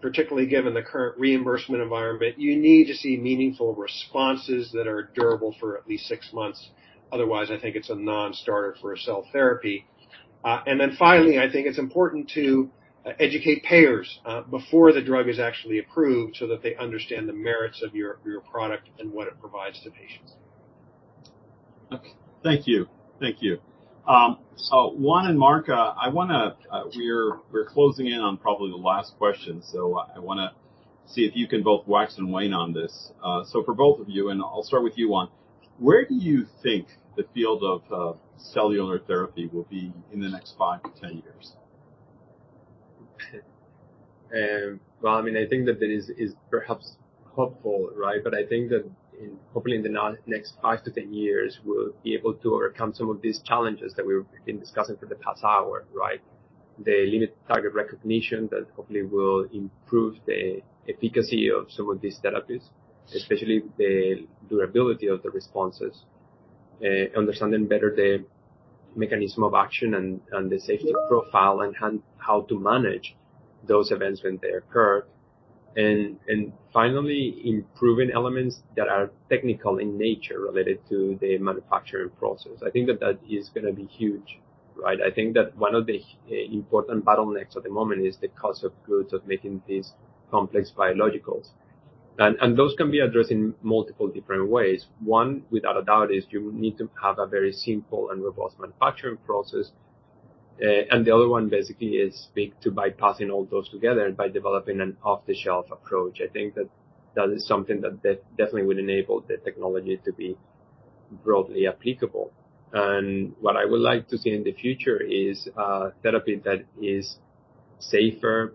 particularly given the current reimbursement environment, you need to see meaningful responses that are durable for at least six months. Otherwise, I think it's a non-starter for a cell therapy. Then finally, I think it's important to educate payers before the drug is actually approved so that they understand the merits of your, your product and what it provides to patients. Okay. Thank you. Thank you. Juan and Mark, I wanna... We're, we're closing in on probably the last question, so I wanna see if you can both wax and wane on this. For both of you, and I'll start with you, Juan, where do you think the field of, of cellular therapy will be in the next 5 to 10 years? Well, I mean, I think that it is, is perhaps hopeful, right? I think that in... hopefully, in the next 5-10 years, we'll be able to overcome some of these challenges that we've been discussing for the past hour, right? The limit target recognition that hopefully will improve the efficacy of some of these therapies, especially the durability of the responses. Understanding better the mechanism of action and, and the safety profile and how to manage those events when they occur. Finally, improving elements that are technical in nature related to the manufacturing process. I think that that is gonna be huge, right? I think that one of the important bottlenecks at the moment is the cost of goods of making these complex biologicals. Those can be addressed in multiple different ways. One, without a doubt, is you need to have a very simple and robust manufacturing process. The other one basically is be to bypassing all those together by developing an off-the-shelf approach. I think that that is something that, that definitely would enable the technology to be broadly applicable. What I would like to see in the future is a therapy that is safer,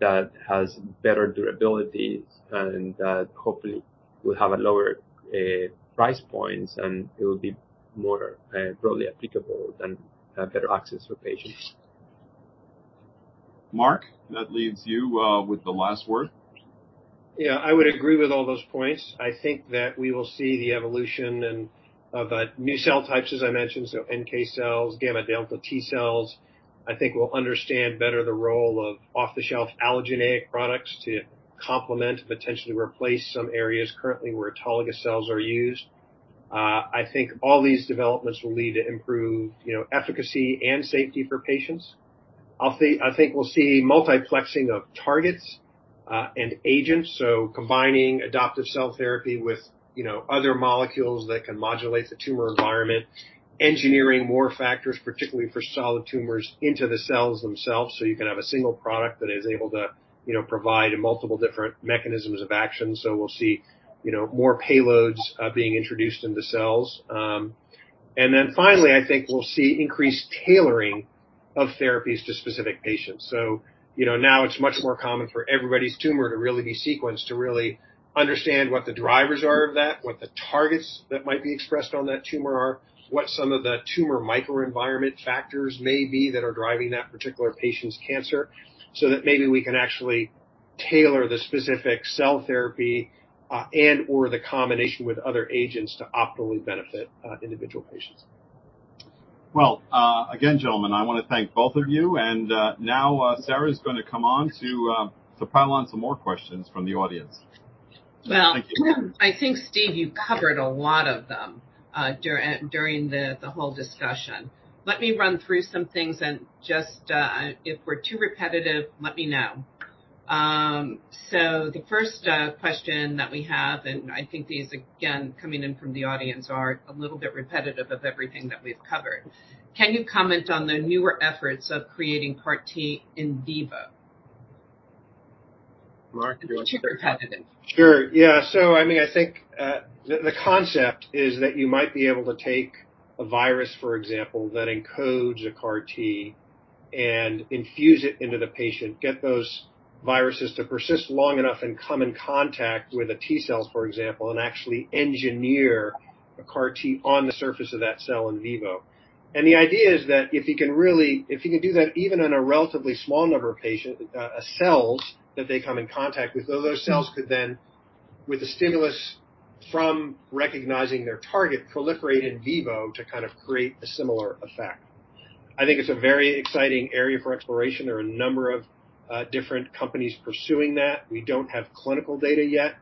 that has better durability, and that hopefully will have a lower price points, and it will be more broadly applicable and better access for patients. Mark, that leaves you, with the last word. Yeah, I would agree with all those points. I think that we will see the evolution and of new cell types, as I mentioned, so NK cells, gamma delta T cells. I think we'll understand better the role of off-the-shelf allogeneic products to complement, potentially replace some areas currently where autologous cells are used. I think all these developments will lead to improved, you know, efficacy and safety for patients. I think we'll see multiplexing of targets and agents, so combining adoptive cell therapy with, you know, other molecules that can modulate the tumor environment, engineering more factors, particularly for solid tumors, into the cells themselves. You can have a single product that is able to, you know, provide multiple different mechanisms of action. We'll see, you know, more payloads being introduced into cells. Finally, I think we'll see increased tailoring of therapies to specific patients. You know, now it's much more common for everybody's tumor to really be sequenced, to really understand what the drivers are of that, what the targets that might be expressed on that tumor are, what some of the tumor microenvironment factors may be that are driving that particular patient's cancer, so that maybe we can actually tailor the specific cell therapy and/or the combination with other agents to optimally benefit individual patients. Again, gentlemen, I want to thank both of you, and now Sara is going to come on to pile on some more questions from the audience. Well- Thank you. I think, Steve, you covered a lot of them, during the, the whole discussion. Let me run through some things and just, if we're too repetitive, let me know. The first question that we have, and I think these, again, coming in from the audience, are a little bit repetitive of everything that we've covered: Can you comment on the newer efforts of creating CAR T in vivo? Mark, do you want to- Not too competitive. Sure. Yeah. I mean, I think the concept is that you might be able to take a virus, for example, that encodes a CAR T and infuse it into the patient, get those viruses to persist long enough and come in contact with the T cells, for example, and actually engineer a CAR T on the surface of that cell in vivo. The idea is that if you can do that, even in a relatively small number of patient cells that they come in contact with, those cells could then, with a stimulus from recognizing their target, proliferate in vivo to kind of create a similar effect. I think it's a very exciting area for exploration. There are a number of different companies pursuing that. We don't have clinical data yet,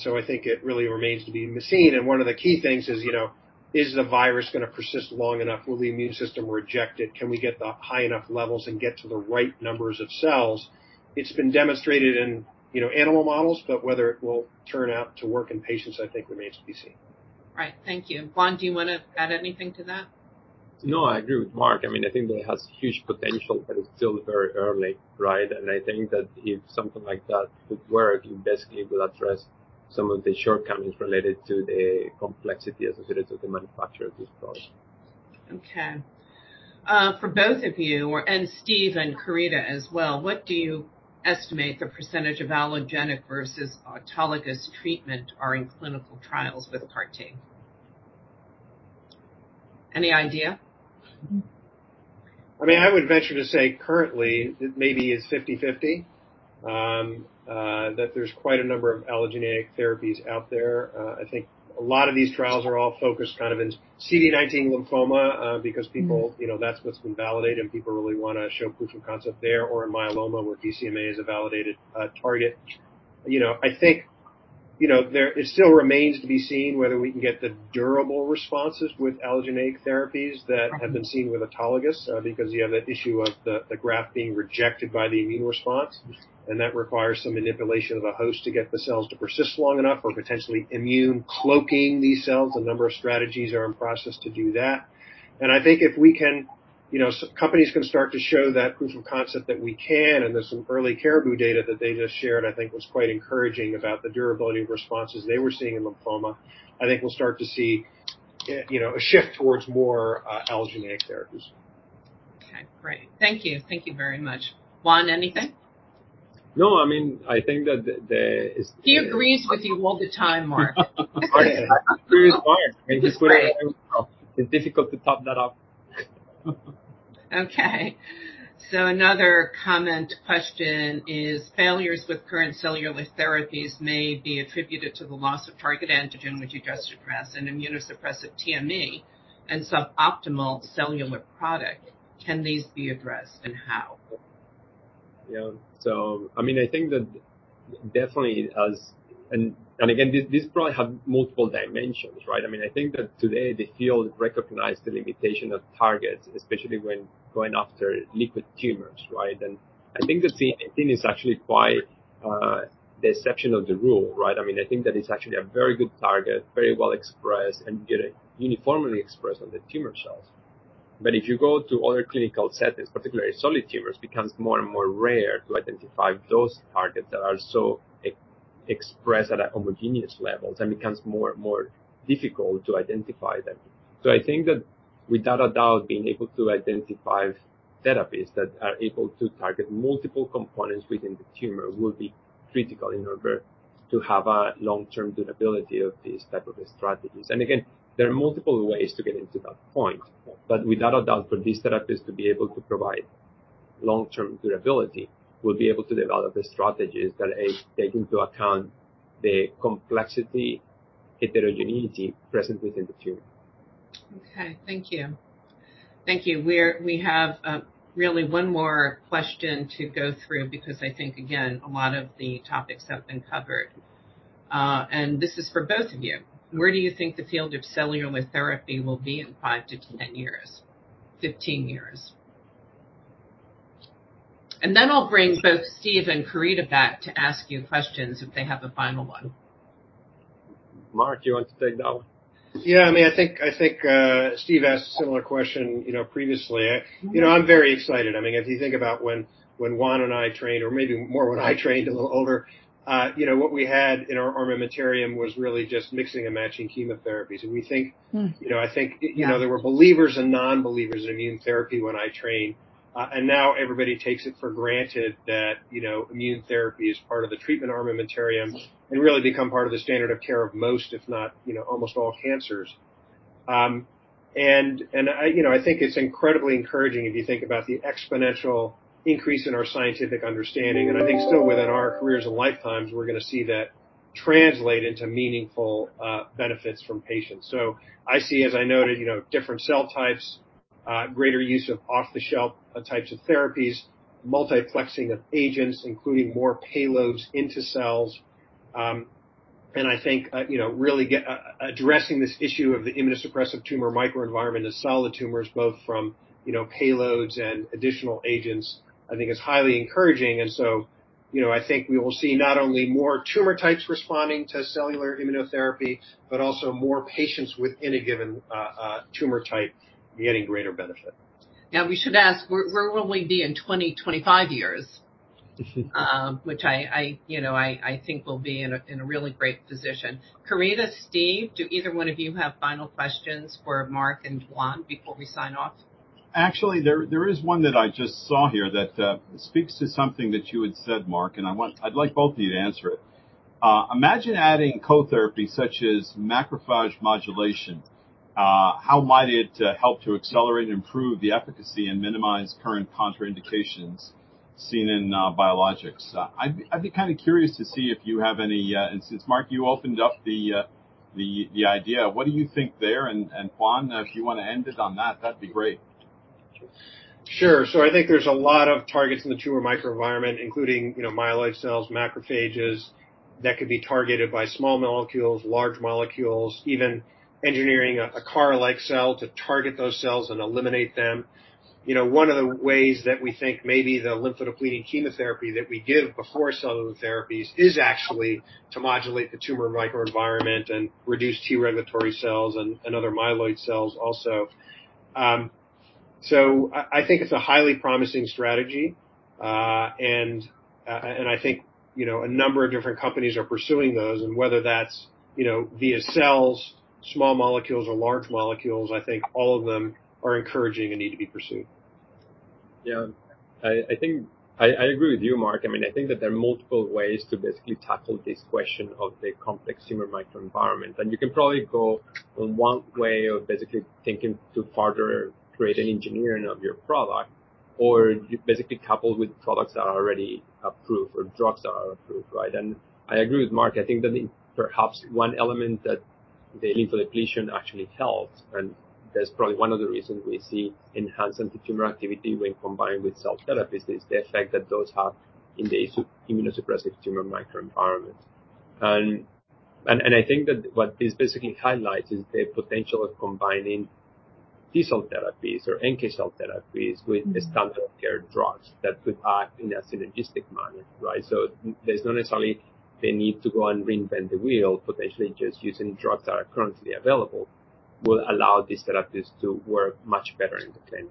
so I think it really remains to be seen. One of the key things is, you know, is the virus going to persist long enough? Will the immune system reject it? Can we get the high enough levels and get to the right numbers of cells? It's been demonstrated in, you know, animal models. Whether it will turn out to work in patients, I think remains to be seen. Right. Thank you. Juan, do you want to add anything to that? No, I agree with Mark. I mean, I think that it has huge potential, but it's still very early, right? I think that if something like that could work, it basically will address some of the shortcomings related to the complexity associated with the manufacture of this product. Okay. For both of you, or, and Steve and Querida as well, what do you estimate the percentage of allogeneic versus autologous treatment are in clinical trials for CAR T? Any idea? I mean, I would venture to say currently, it maybe is 50/50. That there's quite a number of allogeneic therapies out there. I think a lot of these trials are all focused kind of in CD19 lymphoma, because people, you know, that's what's been validated, and people really want to show proof of concept there, or in myeloma, where BCMA is a validated target. You know, I think, you know, there it still remains to be seen whether we can get the durable responses with allogeneic therapies that have been seen with autologous, because you have the issue of the graft being rejected by the immune response, and that requires some manipulation of a host to get the cells to persist long enough or potentially immune cloaking these cells. A number of strategies are in process to do that. I think if we can, you know, companies can start to show that proof of concept that we can, and there's some early Caribou data that they just shared, I think was quite encouraging about the durability of responses they were seeing in lymphoma. I think we'll start to see, you know, a shift towards more, allogeneic therapies. Okay, great. Thank you. Thank you very much. Juan, anything? No, I mean, I think that the- He agrees with you all the time, Mark. It's difficult to top that up. Okay, another comment question is: failures with current cellular therapies may be attributed to the loss of target antigen with and immunosuppressive TME and suboptimal cellular product. Can these be addressed, and how? Yeah. So, I mean, I think that definitely as... And again, this, this probably have multiple dimensions, right? I mean, I think that today the field recognize the limitation of targets, especially when going after liquid tumors, right? I think the CTLA-4 is actually quite, the exception of the rule, right? I mean, I think that it's actually a very good target, very well expressed and get it uniformly expressed on the tumor cells. If you go to other clinical settings, particularly solid tumors, it becomes more and more rare to identify those targets that are so expressed at a homogeneous levels, and becomes more and more difficult to identify them. I think that without a doubt, being able to identify therapies that are able to target multiple components within the tumor will be critical in order to have a long-term durability of these type of strategies. Again, there are multiple ways to get into that point. Without a doubt, for these therapies to be able to provide long-term durability, we'll be able to develop the strategies that take into account the complexity, heterogeneity present within the tumor. Okay, thank you. Thank you. We're, we have, really one more question to go through because I think, again, a lot of the topics have been covered. This is for both of you. Where do you think the field of cellular therapy will be in 5 to 10 years, 15 years? Then I'll bring both Steve and Querida back to ask you questions if they have a final one. Mark, you want to take that one? Yeah, I mean, I think, I think, Steve asked a similar question, you know, previously. You know, I'm very excited. I mean, if you think about when, when Juan and I trained, or maybe more when I trained a little older, you know, what we had in our armamentarium was really just mixing and matching chemotherapies. we think. You know, I think, you know. There were believers and non-believers in immune therapy when I trained. Everybody takes it for granted that, you know, immune therapy is part of the treatment armamentarium and really become part of the standard of care of most, if not, you know, almost all cancers. I, you know, I think it's incredibly encouraging if you think about the exponential increase in our scientific understanding. I think still within our careers and lifetimes, we're going to see that translate into meaningful benefits from patients. I see, as I noted, you know, different cell types, greater use of off-the-shelf types of therapies, multiplexing of agents, including more payloads into cells. I think, you know, really addressing this issue of the immunosuppressive tumor microenvironment as solid tumors, both from, you know, payloads and additional agents, I think is highly encouraging. You know, I think we will see not only more tumor types responding to cellular immunotherapy, but also more patients within a given tumor type getting greater benefit. We should ask, where, where will we be in 20, 25 years? Which I, you know, I, I think we'll be in a, in a really great position. Querida, Steve, do either one of you have final questions for Mark and Juan before we sign off? Actually, there, there is one that I just saw here that speaks to something that you had said, Mark, and I'd like both of you to answer it. Imagine adding co-therapy, such as macrophage modulation. How might it help to accelerate and improve the efficacy and minimize current contraindications seen in biologics? I'd be kind of curious to see if you have any insights. Mark, you opened up the idea. What do you think there? Juan, if you want to end it on that, that'd be great. Sure. I think there's a lot of targets in the tumor microenvironment, including, you know, myeloid cells, macrophages, that could be targeted by small molecules, large molecules, even engineering a, a CAR-like cell to target those cells and eliminate them. You know, one of the ways that we think maybe the lymphodepleting chemotherapy that we give before cellular therapies is actually to modulate the tumor microenvironment and reduce T-regulatory cells and, and other myeloid cells also. I, I think it's a highly promising strategy, and I think, you know, a number of different companies are pursuing those, and whether that's, you know, via cells, small molecules or large molecules, I think all of them are encouraging and need to be pursued. Yeah. I, I think I, I agree with you, Mark. I mean, I think that there are multiple ways to basically tackle this question of the complex tumor microenvironment. You can probably go on one way of basically thinking to further create an engineering of your product, or you basically couple with products that are already approved or drugs that are approved, right? I agree with Mark. I think that perhaps one element that the lymphodepletion actually helps, and that's probably one of the reasons we see enhanced antitumor activity when combined with cell therapies, is the effect that those have in the immunosuppressive tumor microenvironment. I think that what this basically highlights is the potential of combining T-cell therapies or NK cell therapies with the standard of care drugs that would act in a synergistic manner, right? There's not necessarily the need to go and reinvent the wheel. Potentially just using drugs that are currently available will allow these therapies to work much better in the clinic.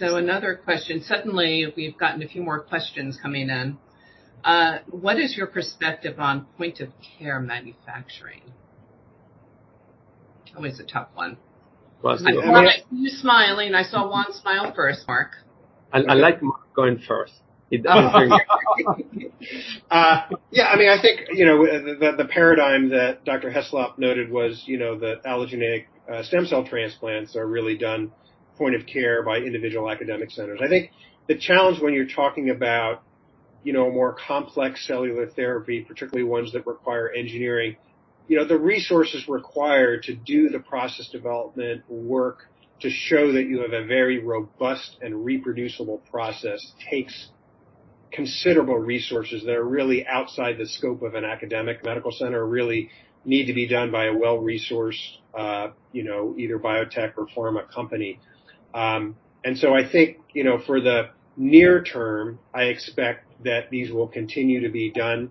Another question. Suddenly, we've gotten a few more questions coming in. What is your perspective on point of care manufacturing? Always a tough one. Well- I see you smiling. I saw Juan smile first, Mark. I, I like Mark going first. He does very well. Yeah, I mean, I think, you know, the, the paradigm that Dr. Heslop noted was, you know, that allogeneic stem cell transplants are really done point of care by individual academic centers. I think the challenge when you're talking about, you know, a more complex cellular therapy, particularly ones that require engineering, you know, the resources required to do the process development work to show that you have a very robust and reproducible process takes considerable resources that are really outside the scope of an academic medical center, really need to be done by a well-resourced, you know, either biotech or pharma company. So I think, you know, for the near term, I expect that these will continue to be done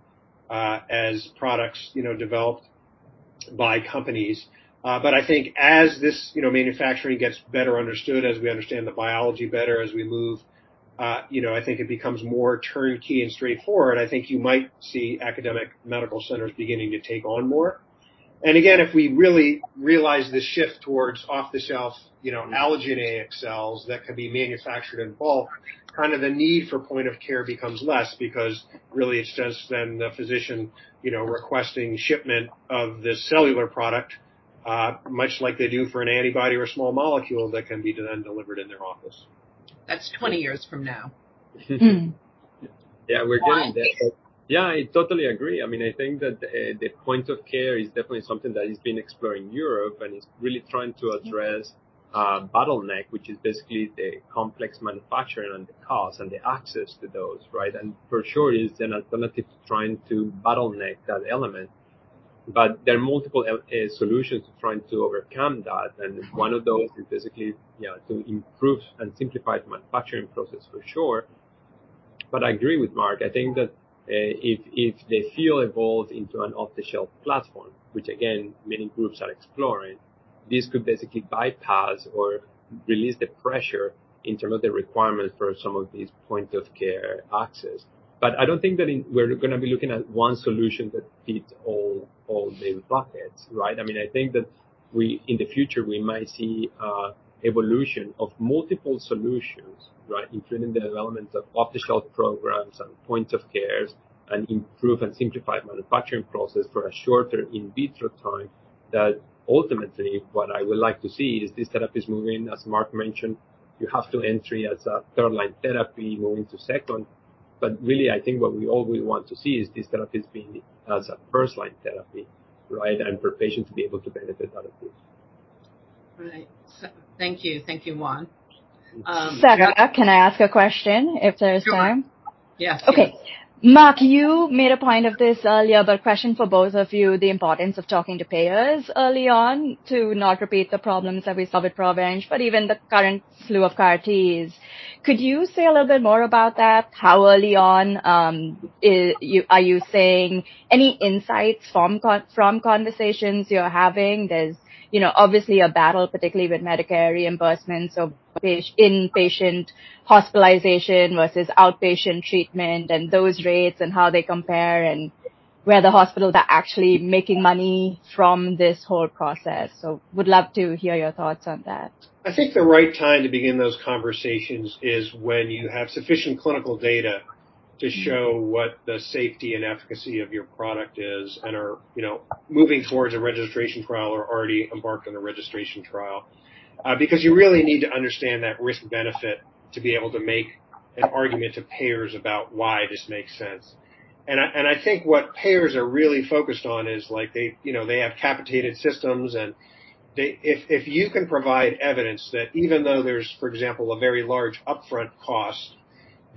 as products, you know, developed by companies. I think as this, you know, manufacturing gets better understood, as we understand the biology better, as we move, you know, I think it becomes more turnkey and straightforward, I think you might see academic medical centers beginning to take on more. Again, if we really realize this shift towards off-the-shelf, you know, allogeneic cells that can be manufactured in bulk, kind of the need for point of care becomes less because really it's just then the physician, you know, requesting shipment of the cellular product, much like they do for an antibody or small molecule that can be then delivered in their office. That's 20 years from now. Yeah, we're getting there. Juan. Yeah, I totally agree. I mean, I think that the point of care is definitely something that has been explored in Europe and is really trying to address bottleneck, which is basically the complex manufacturing and the cost and the access to those, right? For sure, it is an alternative to trying to bottleneck that element. There are multiple solutions to trying to overcome that, and one of those is basically, you know, to improve and simplify the manufacturing process for sure. I agree with Mark. I think that if, if the field evolves into an off-the-shelf platform, which again, many groups are exploring, this could basically bypass or release the pressure in terms of the requirements for some of these point of care access. I don't think that it. We're gonna be looking at one solution that fits all, all the buckets, right? I mean, I think that we, in the future, we might see a evolution of multiple solutions, right, including the development of off-the-shelf programs and point of cares, and improve and simplify manufacturing process for a shorter in vitro time, that ultimately, what I would like to see is these therapies moving, as Mark mentioned, you have to entry as a first-line therapy going to second. Really, I think what we all would want to see is these therapies being as a first-line therapy, right, and for patients to be able to benefit out of this. Right. Thank you. Thank you, Juan. Sara, can I ask a question if there is time? Sure. Yeah. Okay. Mark, you made a point of this earlier, but question for both of you, the importance of talking to payers early on to not repeat the problems that we saw with Provenge, but even the current slew of CAR-Ts. Could you say a little bit more about that? How early on, are you saying any insights from conversations you're having? There's, you know, obviously a battle, particularly with Medicare reimbursements or patient, inpatient hospitalization versus outpatient treatment and those rates and how they compare, and whether hospitals are actually making money from this whole process. Would love to hear your thoughts on that. I think the right time to begin those conversations is when you have sufficient clinical data to show what the safety and efficacy of your product is and are, you know, moving towards a registration trial or already embarked on a registration trial. Because you really need to understand that risk-benefit to be able to make an argument to payers about why this makes sense. I, and I think what payers are really focused on is, like, they, you know, they have capitated systems, and they... If, if you can provide evidence that even though there's, for example, a very large upfront cost,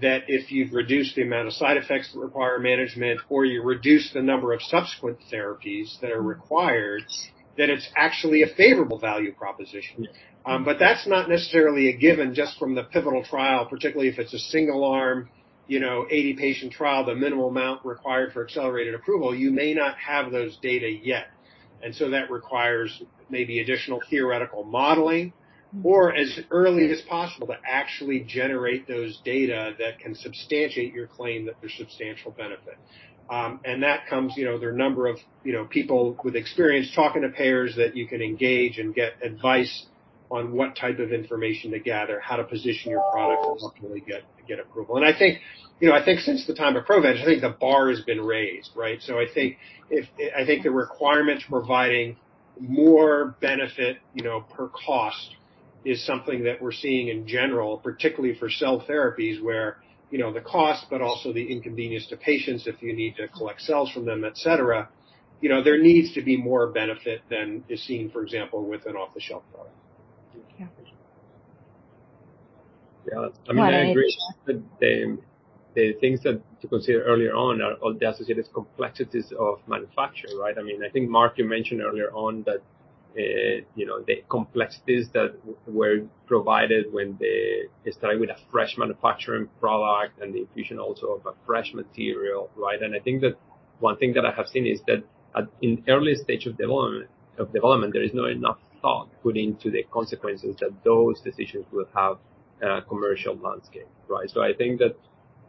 that if you've reduced the amount of side effects that require management or you reduce the number of subsequent therapies that are required, then it's actually a favorable value proposition. But that's not necessarily a given just from the pivotal trial, particularly if it's a single-arm, you know, 80-patient trial, the minimal amount required for accelerated approval, you may not have those data yet. That requires maybe additional theoretical modeling or as early as possible to actually generate those data that can substantiate your claim that there's substantial benefit. That comes, you know, there are a number of, you know, people with experience talking to payers that you can engage and get advice on what type of information to gather, how to position your product to ultimately get, get approval. I think, you know, I think since the time of Provenge, I think the bar has been raised, right? I think if, I think the requirements providing more benefit, you know, per cost is something that we're seeing in general, particularly for cell therapies where, you know, the cost, but also the inconvenience to patients if you need to collect cells from them, et cetera. You know, there needs to be more benefit than is seen, for example, with an off-the-shelf product. Yeah. Yeah, I mean, I agree. The, the things that to consider earlier on are all the associated complexities of manufacturing, right? I mean, I think, Mark, you mentioned earlier on that, you know, the complexities that were provided when they started with a fresh manufacturing product and the infusion also of a fresh material, right? I think that one thing that I have seen is that at, in early stage of development, of development, there is not enough thought put into the consequences that those decisions will have, commercial landscape, right? I think that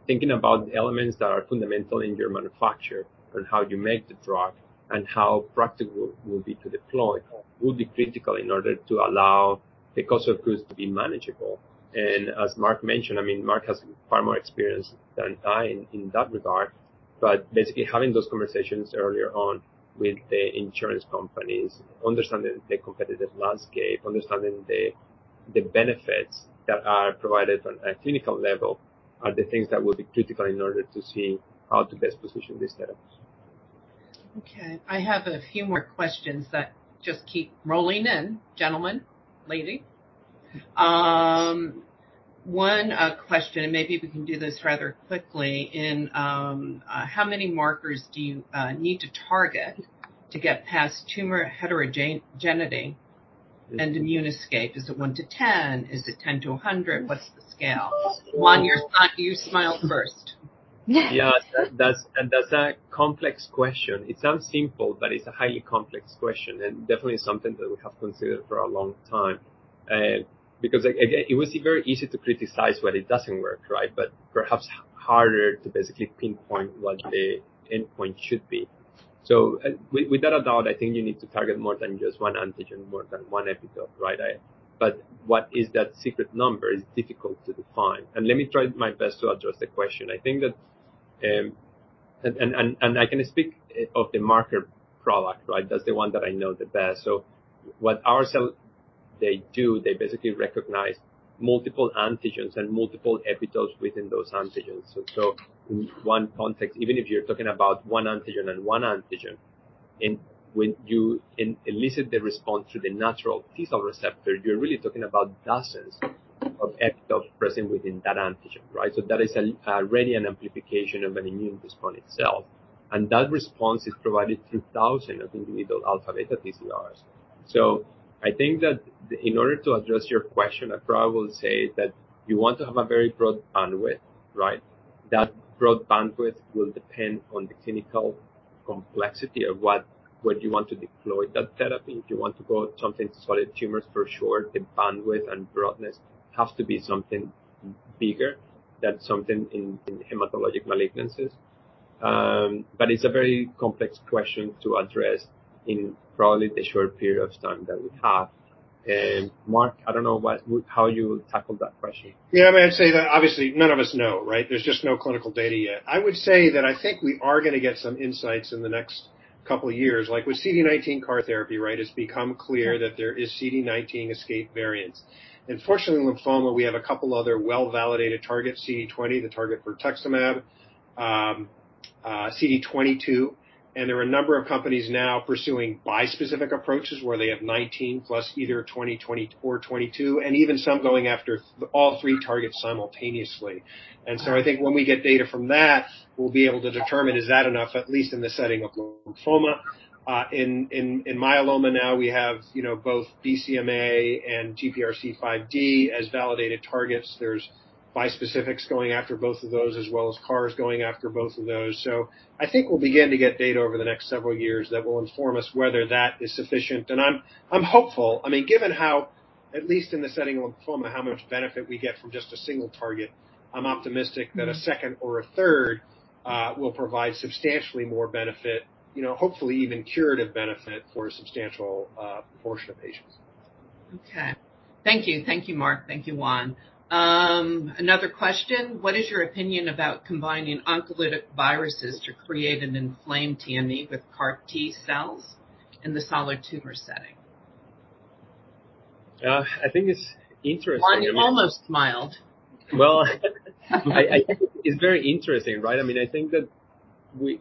thinking about elements that are fundamental in your manufacture and how you make the drug and how practical it will be to deploy will be critical in order to allow the cost of goods to be manageable. As Mark mentioned, I mean, Mark has far more experience than I in, in that regard, but basically having those conversations earlier on with the insurance companies, understanding the competitive landscape, understanding the, the benefits that are provided on a clinical level, are the things that will be critical in order to see how to best position this therapy. Okay, I have a few more questions that just keep rolling in, gentlemen, lady. One question, maybe we can do this rather quickly, in, how many markers do you need to target to get past tumor heterogeneity and immune escape? Is it 1-10? Is it 10-100? What's the scale? Juan, you're smiling. You smiled first. Yeah, that's, that's a complex question. It sounds simple, but it's a highly complex question and definitely something that we have considered for a long time. Because, again, it was very easy to criticize when it doesn't work, right? Perhaps harder to basically pinpoint what the endpoint should be. Without a doubt, I think you need to target more than just one antigen, more than one epitope, right? What is that secret number is difficult to define. Let me try my best to address the question. I think that I can speak of the Marker product, right? That's the one that I know the best. What our cell, they do, they basically recognize multiple antigens and multiple epitopes within those antigens. In one context, even if you're talking about one antigen and one antigen, and when you elicit the response to the natural T cell receptor, you're really talking about dozens of epitopes present within that antigen, right? That is an radiant amplification of an immune response itself, and that response is provided through thousands of individual alpha-beta TCRs. I think that in order to address your question, I probably will say that you want to have a very broad bandwidth, right? That broad bandwidth will depend on the clinical complexity of what, where you want to deploy that therapy. If you want to go something solid tumors, for sure, the bandwidth and broadness has to be something bigger than something in, in hematologic malignancies. It's a very complex question to address in probably the short period of time that we have. Mark, I don't know how you would tackle that question? Yeah, I mean, I'd say that obviously none of us know, right? There's just no clinical data yet. I would say that I think we are going to get some insights in the next couple of years. Like with CD19 CAR therapy, right, it's become clear that there is CD19 escape variants. Fortunately, in lymphoma, we have a couple other well-validated targets, CD20, the target for Rituximab, CD22, and there are a number of companies now pursuing bispecific approaches where they have 19+ either 20, 20 or 22, and even some going after all three3 targets simultaneously. So I think when we get data from that, we'll be able to determine is that enough, at least in the setting of lymphoma. In, in, in myeloma now, we have, you know, both BCMA and GPRC5D as validated targets. There's bispecifics going after both of those, as well as CARs going after both of those. I think we'll begin to get data over the next several years that will inform us whether that is sufficient. I'm, I'm hopeful. I mean, given how, at least in the setting of lymphoma, how much benefit we get from just a single target, I'm optimistic that a second or a third will provide substantially more benefit, you know, hopefully even curative benefit for a substantial portion of patients. Okay. Thank you. Thank you, Mark. Thank you, Juan. Another question: What is your opinion about combining oncolytic viruses to create an inflamed TME with CAR T cells in the solid tumor setting? I think it's interesting. Juan almost smiled. Well, I, it's very interesting, right? I mean, I think that we,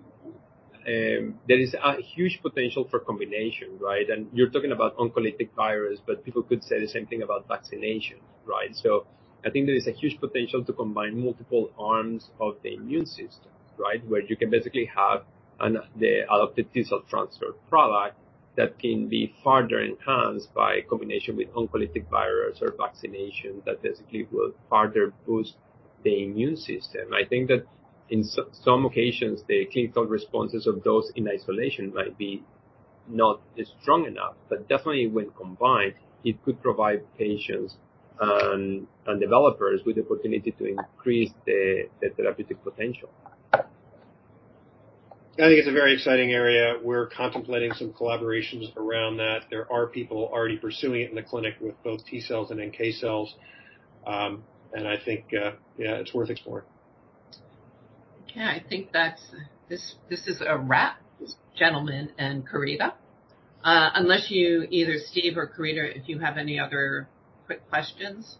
there is a huge potential for combination, right? You're talking about oncolytic virus, but people could say the same thing about vaccination, right? I think there is a huge potential to combine multiple arms of the immune system, right? Where you can basically have the adoptive T cell transfer product that can be further enhanced by combination with oncolytic virus or vaccination that basically will further boost the immune system. I think that in some occasions, the clinical responses of those in isolation might be not as strong enough, but definitely when combined, it could provide patients and developers with the opportunity to increase the therapeutic potential. I think it's a very exciting area. We're contemplating some collaborations around that. There are people already pursuing it in the clinic with both T cells and NK cells. I think, yeah, it's worth exploring. Okay, I think that's. This is a wrap, gentlemen and Querida. Unless you either Steve or Querida, if you have any other quick questions?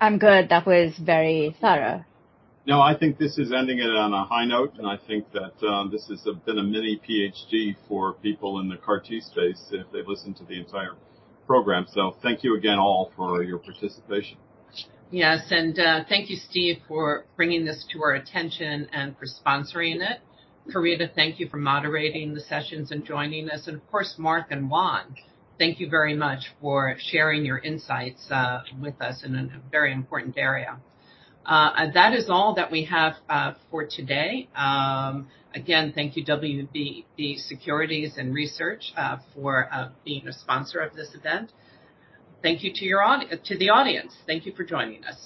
I'm good. That was very thorough. No, I think this is ending it on a high note, and I think that this has been a mini PhD for people in the CAR T space if they've listened to the entire program. Thank you again all for your participation. Yes, thank you, Steve, for bringing this to our attention and for sponsoring it. Querida, thank you for moderating the sessions and joining us. Of course, Mark and Juan, thank you very much for sharing your insights with us in a very important area. That is all that we have for today. Again, thank you, WBB Securities and Research, for being a sponsor of this event. Thank you to the audience. Thank you for joining us.